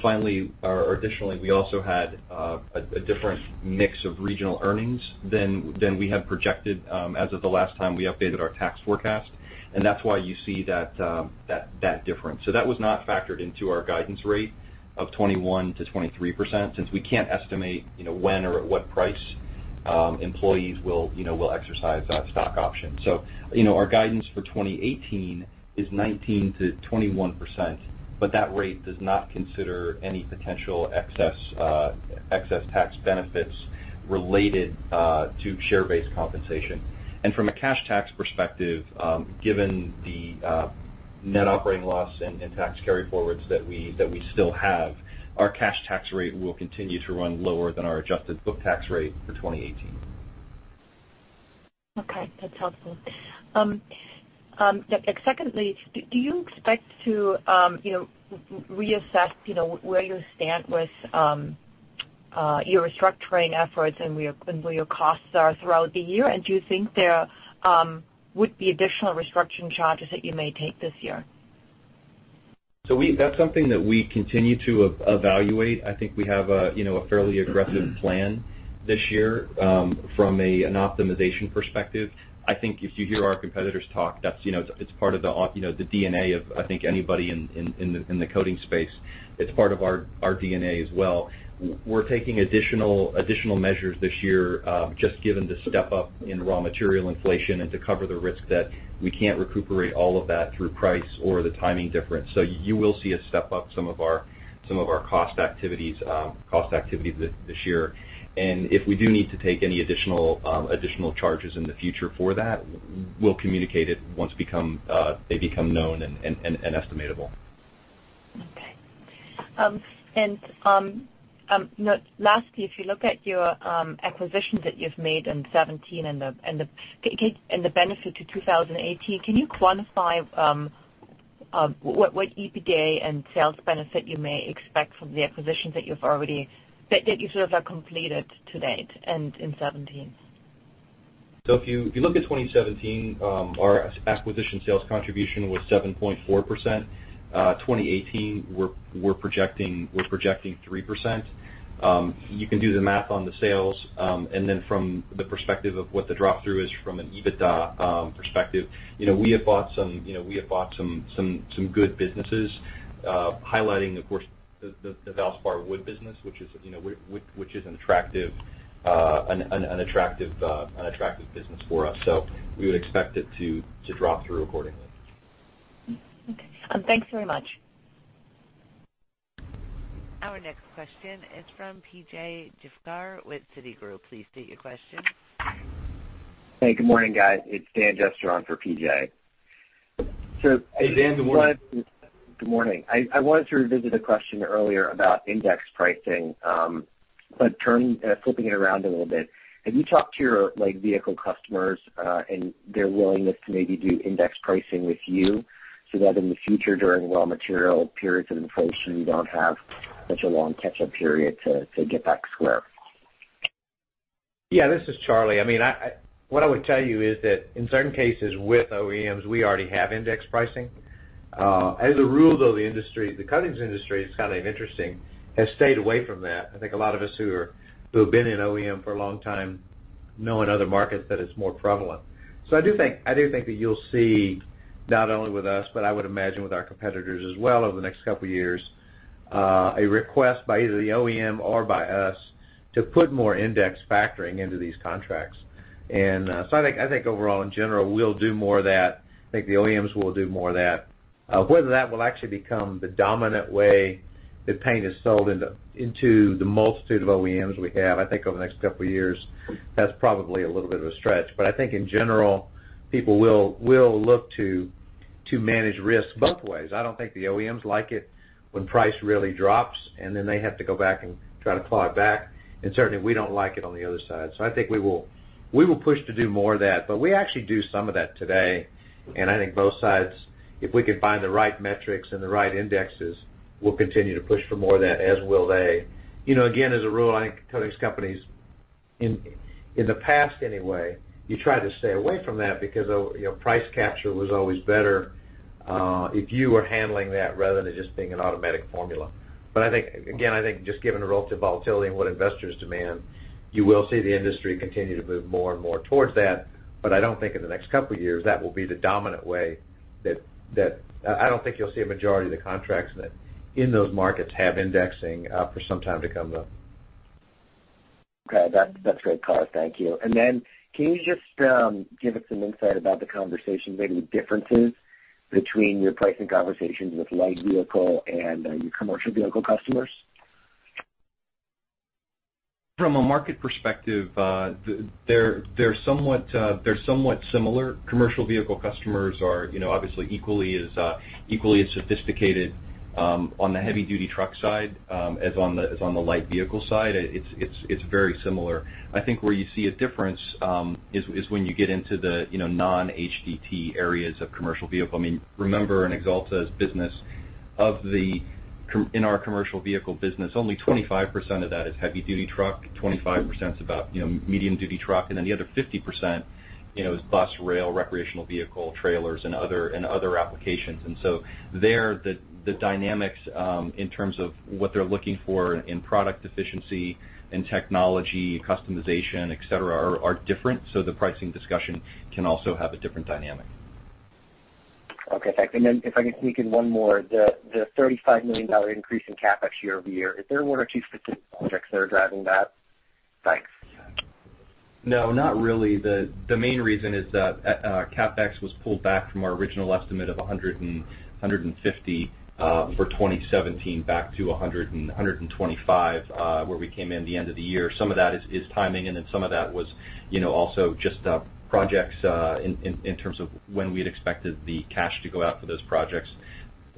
Finally, or additionally, we also had a different mix of regional earnings than we had projected as of the last time we updated our tax forecast. That's why you see that difference. That was not factored into our guidance rate of 21%-23%, since we can't estimate when or at what price employees will exercise stock options. Our guidance for 2018 is 19%-21%, but that rate does not consider any potential excess tax benefits related to share-based compensation. From a cash tax perspective, given the net operating loss and tax carryforwards that we still have, our cash tax rate will continue to run lower than our adjusted book tax rate for 2018. Okay. That's helpful. Secondly, do you expect to reassess where you stand with your restructuring efforts and where your costs are throughout the year? Do you think there would be additional restructuring charges that you may take this year? That's something that we continue to evaluate. I think we have a fairly aggressive plan this year from an optimization perspective. I think if you hear our competitors talk, it's part of the D&A of, I think, anybody in the coatings space. It's part of our D&A as well. We're taking additional measures this year, just given the step-up in raw material inflation and to cover the risk that we can't recuperate all of that through price or the timing difference. You will see a step-up, some of our cost activities this year. If we do need to take any additional charges in the future for that, we'll communicate it once they become known and estimatable. Lastly, if you look at your acquisitions that you've made in 2017 and the benefit to 2018, can you quantify what EBITDA and sales benefit you may expect from the acquisitions that you sort of have completed to date and in 2017? If you look at 2017, our acquisition sales contribution was 7.4%. 2018, we're projecting 3%. You can do the math on the sales. From the perspective of what the drop-through is from an EBITDA perspective, we have bought some good businesses, highlighting, of course, the Valspar Wood business, which is an attractive business for us. We would expect it to drop through accordingly. Okay. Thanks very much. Our next question is from PJ Juvekar with Citigroup. Please state your question. Hey, good morning, guys. It's Dan Jester on for PJ. Hey, Dan. Good morning. Good morning. I wanted to revisit a question earlier about index pricing, but flipping it around a little bit. Have you talked to your vehicle customers and their willingness to maybe do index pricing with you so that in the future, during raw material periods of inflation, you don't have such a long catch-up period to get back square? Yeah, this is Charlie. What I would tell you is that in certain cases with OEMs, we already have index pricing. As a rule, though, the coatings industry, it's kind of interesting, has stayed away from that. I think a lot of us who have been in OEM for a long time You know in other markets that it's more prevalent. I do think that you'll see, not only with us, but I would imagine with our competitors as well over the next couple of years, a request by either the OEM or by us to put more index factoring into these contracts. I think overall, in general, we'll do more of that. I think the OEMs will do more of that. Whether that will actually become the dominant way that paint is sold into the multitude of OEMs we have, I think over the next couple of years, that's probably a little bit of a stretch. I think in general, people will look to manage risk both ways. I don't think the OEMs like it when price really drops, and then they have to go back and try to claw it back. Certainly, we don't like it on the other side. I think we will push to do more of that, but we actually do some of that today. I think both sides, if we could find the right metrics and the right indexes, we'll continue to push for more of that, as will they. Again, as a rule, I think coatings companies, in the past anyway, you try to stay away from that because price capture was always better if you were handling that rather than it just being an automatic formula. Again, I think just given the relative volatility and what investors demand, you will see the industry continue to move more and more towards that. I don't think in the next couple of years, that will be the dominant way. I don't think you'll see a majority of the contracts in those markets have indexing for some time to come though. Okay. That's great, Charlie. Thank you. Then can you just give us some insight about the conversation, maybe differences between your pricing conversations with light vehicle and your commercial vehicle customers? From a market perspective, they're somewhat similar. Commercial vehicle customers are obviously equally as sophisticated on the heavy-duty truck side as on the light vehicle side. It's very similar. I think where you see a difference is when you get into the non-HDT areas of commercial vehicle. Remember, in Axalta's business, in our commercial vehicle business, only 25% of that is heavy-duty truck, 25% is about medium-duty truck, and then the other 50% is bus, rail, recreational vehicle, trailers, and other applications. There, the dynamics in terms of what they're looking for in product efficiency and technology, customization, et cetera, are different, so the pricing discussion can also have a different dynamic. Okay, thanks. If I can sneak in one more. The $35 million increase in CapEx year-over-year, is there one or two specific projects that are driving that? Thanks. No, not really. The main reason is that our CapEx was pulled back from our original estimate of 150 for 2017 back to 125, where we came in the end of the year. Some of that is timing, some of that was also just projects in terms of when we had expected the cash to go out for those projects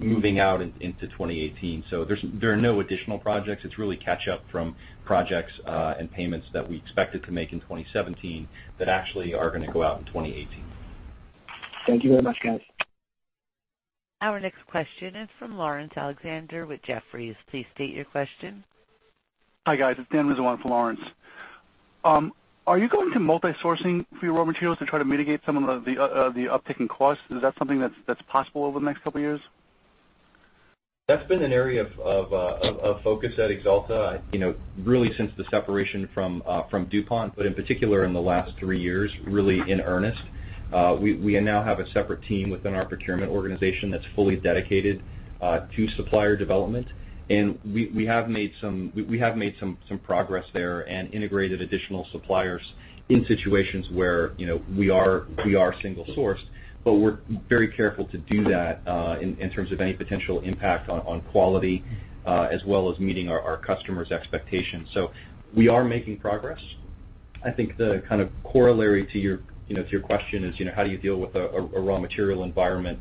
moving out into 2018. There are no additional projects. It's really catch-up from projects and payments that we expected to make in 2017 that actually are going to go out in 2018. Thank you very much, guys. Our next question is from Laurence Alexander with Jefferies. Please state your question. Hi, guys. It's Dan Rizzo for Laurence. Are you going to multi-sourcing for your raw materials to try to mitigate some of the uptick in costs? Is that something that's possible over the next couple of years? That's been an area of focus at Axalta really since the separation from DuPont, but in particular in the last three years, really in earnest. We now have a separate team within our procurement organization that's fully dedicated to supplier development. We have made some progress there and integrated additional suppliers in situations where we are single sourced. We're very careful to do that in terms of any potential impact on quality as well as meeting our customers' expectations. We are making progress. I think the kind of corollary to your question is, how do you deal with a raw material environment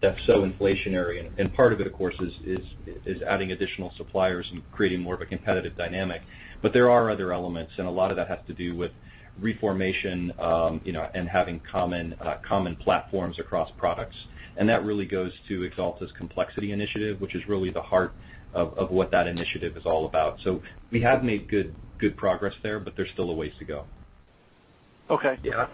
that's so inflationary? Part of it, of course, is adding additional suppliers and creating more of a competitive dynamic. There are other elements, and a lot of that has to do with re-formulation and having common platforms across products. That really goes to Axalta's Complexity Initiative, which is really the heart of what that initiative is all about. We have made good progress there, but there's still a ways to go. Okay. Yeah.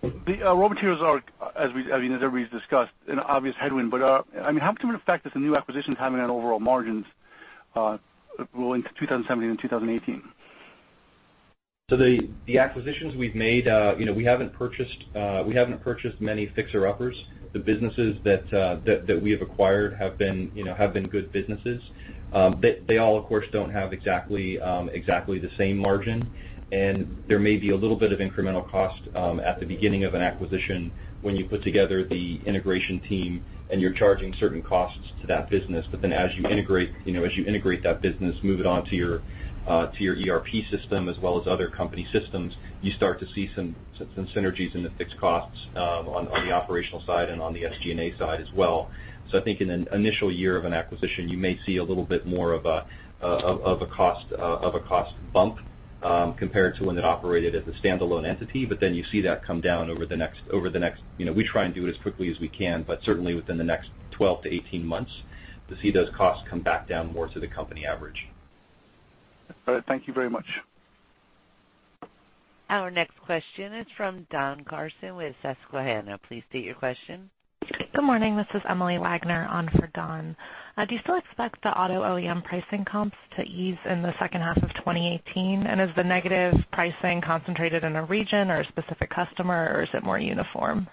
The raw materials are, as everybody's discussed, an obvious headwind, how much of an effect is the new acquisitions having on overall margins rolling into 2017 and 2018? The acquisitions we've made, we haven't purchased many fixer-uppers. The businesses that we have acquired have been good businesses. They all, of course, don't have exactly the same margin, there may be a little bit of incremental cost at the beginning of an acquisition when you put together the integration team and you're charging certain costs to that business. As you integrate that business, move it on to your ERP system as well as other company systems, you start to see some synergies in the fixed costs on the operational side and on the SG&A side as well. I think in an initial year of an acquisition, you may see a little bit more of a cost bump compared to when it operated as a standalone entity. You see that come down over the next, we try and do it as quickly as we can, certainly within the next 12-18 months, to see those costs come back down more to the company average. All right. Thank you very much. Our next question is from Don Carson with Susquehanna. Please state your question. Good morning. This is Emily Wagner on for Don. Do you still expect the auto OEM pricing comps to ease in the second half of 2018? Is the negative pricing concentrated in a region or a specific customer, or is it more uniform?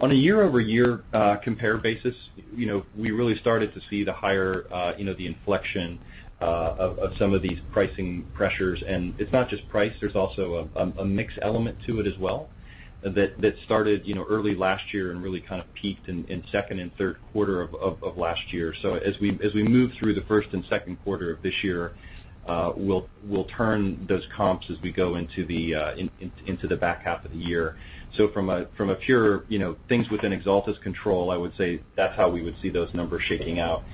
On a year-over-year compare basis, we really started to see the higher inflection of some of these pricing pressures. It's not just price, there's also a mix element to it as well that started early last year and really kind of peaked in second and third quarter of last year. As we move through the first and second quarter of this year, we'll turn those comps as we go into the back half of the year. From a pure things within Axalta's control, I would say that's how we would see those numbers shaking out.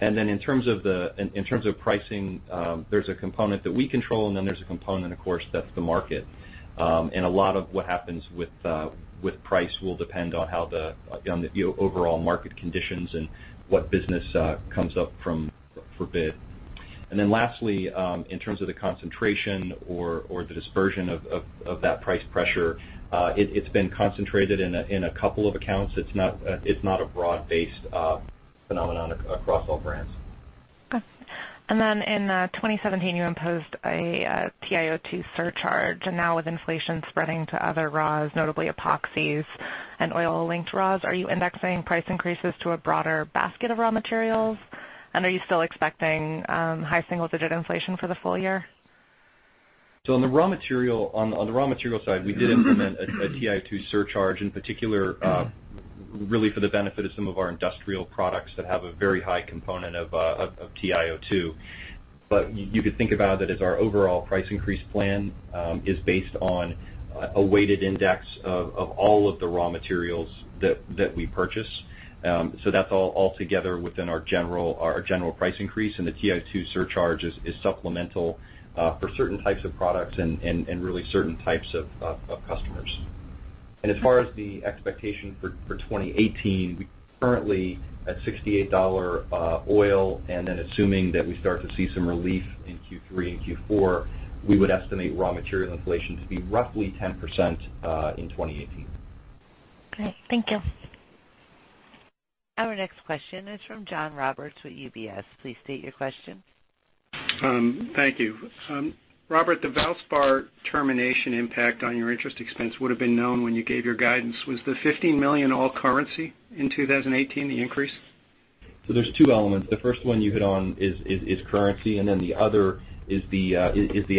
In terms of pricing, there's a component that we control, and then there's a component, of course, that's the market. A lot of what happens with price will depend on the overall market conditions and what business comes up from for bid. Lastly, in terms of the concentration or the dispersion of that price pressure, it's been concentrated in a couple of accounts. It's not a broad-based phenomenon across all brands. Okay. Then in 2017, you imposed a TiO2 surcharge, and now with inflation spreading to other raws, notably epoxies and oil-linked raws, are you indexing price increases to a broader basket of raw materials? Are you still expecting high single-digit inflation for the full year? On the raw material side, we did implement a TiO2 surcharge, in particular, really for the benefit of some of our industrial products that have a very high component of TiO2. You could think about it as our overall price increase plan is based on a weighted index of all of the raw materials that we purchase. That's all together within our general price increase, and the TiO2 surcharge is supplemental for certain types of products and really certain types of customers. As far as the expectation for 2018, we currently at $68 oil, then assuming that we start to see some relief in Q3 and Q4, we would estimate raw material inflation to be roughly 10% in 2018. Okay. Thank you. Our next question is from John Roberts with UBS. Please state your question. Thank you. Robert, the Valspar termination impact on your interest expense would've been known when you gave your guidance. Was the $15 million all currency in 2018, the increase? There's two elements. The first one you hit on is currency, and then the other is the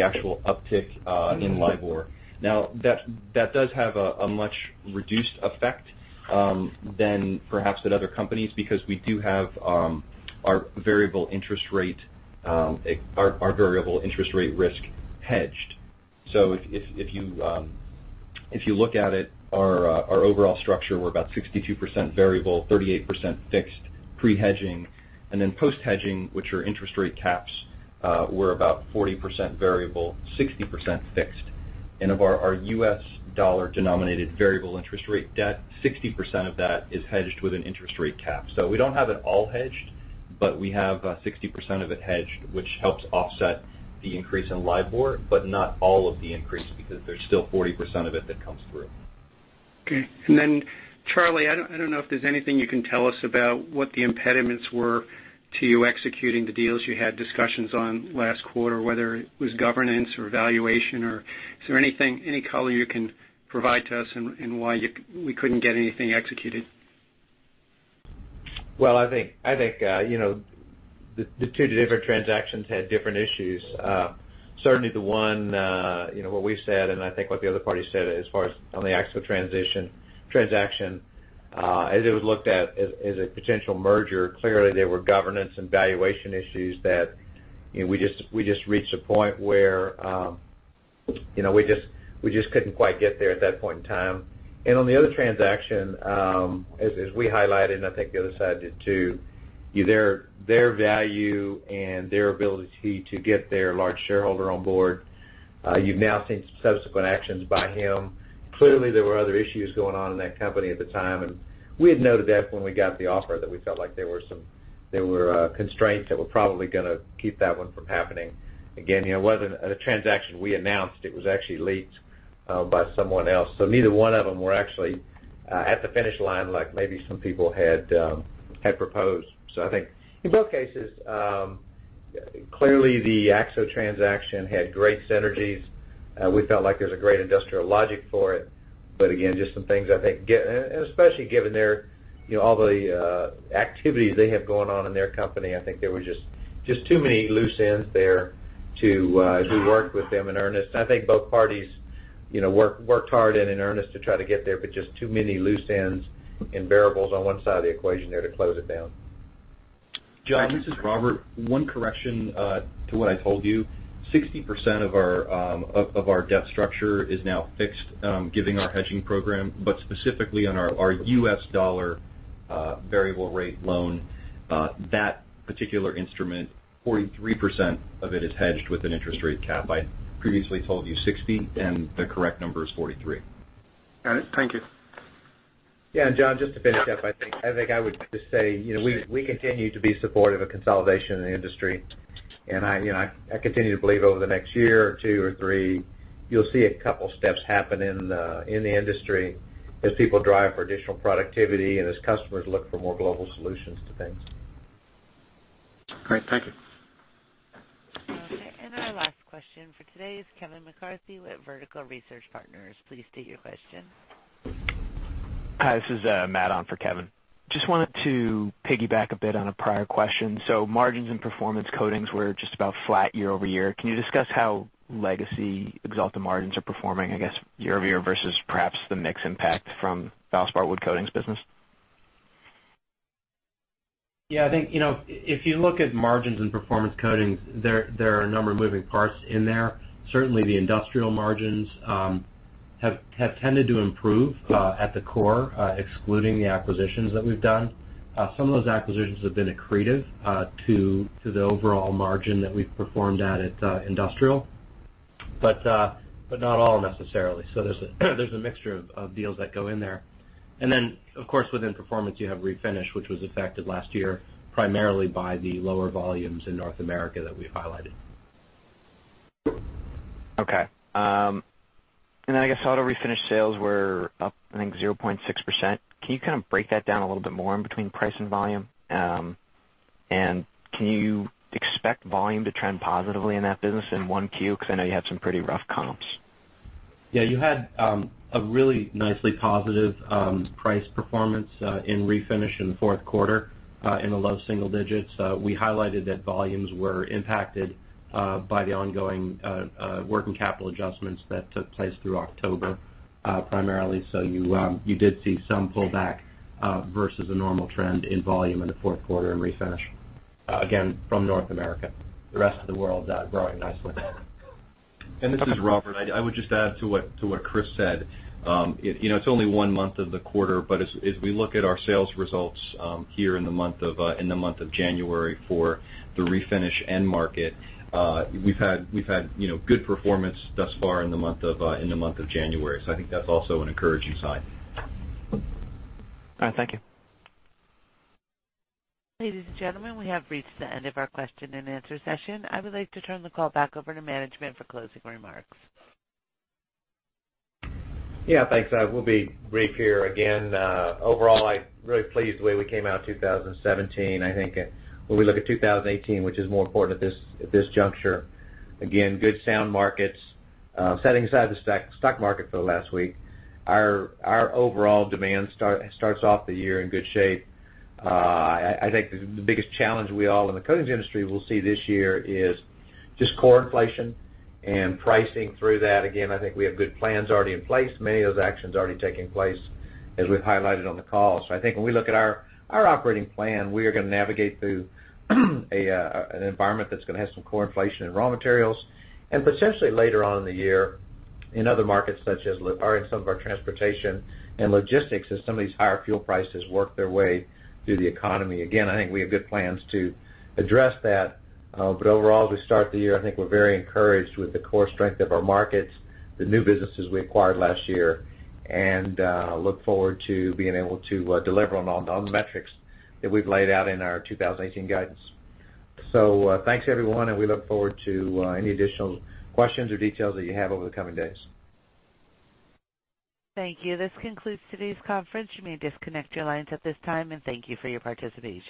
actual uptick in LIBOR. That does have a much reduced effect than perhaps at other companies, because we do have our variable interest rate risk hedged. If you look at it, our overall structure, we're about 62% variable, 38% fixed pre-hedging, and then post-hedging, which are interest rate caps, we're about 40% variable, 60% fixed. Of our U.S. dollar-denominated variable interest rate debt, 60% of that is hedged with an interest rate cap. We don't have it all hedged, but we have 60% of it hedged, which helps offset the increase in LIBOR, but not all of the increase because there's still 40% of it that comes through. Okay. Charlie, I don't know if there's anything you can tell us about what the impediments were to you executing the deals you had discussions on last quarter, whether it was governance or valuation, or is there any color you can provide to us in why we couldn't get anything executed? I think the two different transactions had different issues. Certainly the one, what we've said, and I think what the other party said as far as on the actual transaction, as it was looked at as a potential merger, clearly, there were governance and valuation issues that we just reached a point where we just couldn't quite get there at that point in time. On the other transaction, as we highlighted, and I think the other side did, too, their value and their ability to get their large shareholder on board. You've now seen some subsequent actions by him. Clearly, there were other issues going on in that company at the time, and we had noted that when we got the offer, that we felt like there were constraints that were probably going to keep that one from happening. Again, it wasn't a transaction we announced. It was actually leaked by someone else. Neither one of them were actually at the finish line like maybe some people had proposed. I think in both cases, clearly the Akzo transaction had great synergies. We felt like there was a great industrial logic for it. Again, just some things, I think, and especially given all the activities they have going on in their company, I think there were just too many loose ends there. If we worked with them in earnest, and I think both parties worked hard and in earnest to try to get there, but just too many loose ends and variables on one side of the equation there to close it down. John, this is Robert. One correction to what I told you. 60% of our debt structure is now fixed given our hedging program. Specifically on our U.S. dollar variable rate loan, that particular instrument, 43% of it is hedged with an interest rate cap. I previously told you 60, and the correct number is 43. All right. Thank you. John, just to finish up, I think I would just say, we continue to be supportive of consolidation in the industry. I continue to believe over the next year or two or three, you'll see a couple steps happen in the industry as people drive for additional productivity and as customers look for more global solutions to things. Great. Thank you. Okay, our last question for today is Kevin McCarthy with Vertical Research Partners. Please state your question. Hi, this is Matt on for Kevin. Just wanted to piggyback a bit on a prior question. Margins and Performance Coatings were just about flat year-over-year. Can you discuss how legacy Axalta margins are performing, I guess, year-over-year versus perhaps the mix impact from Valspar Wood Coatings business? I think, if you look at margins and Performance Coatings, there are a number of moving parts in there. Certainly, the industrial margins have tended to improve at the core, excluding the acquisitions that we've done. Some of those acquisitions have been accretive to the overall margin that we've performed at industrial, but not all necessarily. There's a mixture of deals that go in there. Then, of course, within Performance, you have Refinish, which was affected last year primarily by the lower volumes in North America that we've highlighted. Okay. I guess Refinish sales were up, I think, 0.6%. Can you kind of break that down a little bit more in between price and volume? Can you expect volume to trend positively in that business in 1Q? I know you had some pretty rough comps. Yeah, you had a really nicely positive price performance in Refinish in the fourth quarter, in the low single digits. We highlighted that volumes were impacted by the ongoing working capital adjustments that took place through October primarily. You did see some pullback versus a normal trend in volume in the fourth quarter in Refinish, again from North America. The rest of the world is growing nicely. This is Robert. I would just add to what Chris said. It's only one month of the quarter, but as we look at our sales results here in the month of January for the Refinish end market, we've had good performance thus far in the month of January. I think that's also an encouraging sign. All right. Thank you. Ladies and gentlemen, we have reached the end of our question and answer session. I would like to turn the call back over to management for closing remarks. Yeah, thanks. We'll be brief here again. Overall, I'm really pleased the way we came out in 2017. I think when we look at 2018, which is more important at this juncture, again, good sound markets. Setting aside the stock market for the last week, our overall demand starts off the year in good shape. I think the biggest challenge we all in the coatings industry will see this year is just core inflation and pricing through that. Again, I think we have good plans already in place. Many of those actions are already taking place as we've highlighted on the call. I think when we look at our operating plan, we are going to navigate through an environment that's going to have some core inflation in raw materials, and potentially later on in the year in other markets, or in some of our transportation and logistics as some of these higher fuel prices work their way through the economy. Again, I think we have good plans to address that. Overall, as we start the year, I think we're very encouraged with the core strength of our markets, the new businesses we acquired last year, and look forward to being able to deliver on the metrics that we've laid out in our 2018 guidance. Thanks, everyone, and we look forward to any additional questions or details that you have over the coming days. Thank you. This concludes today's conference. You may disconnect your lines at this time, and thank you for your participation.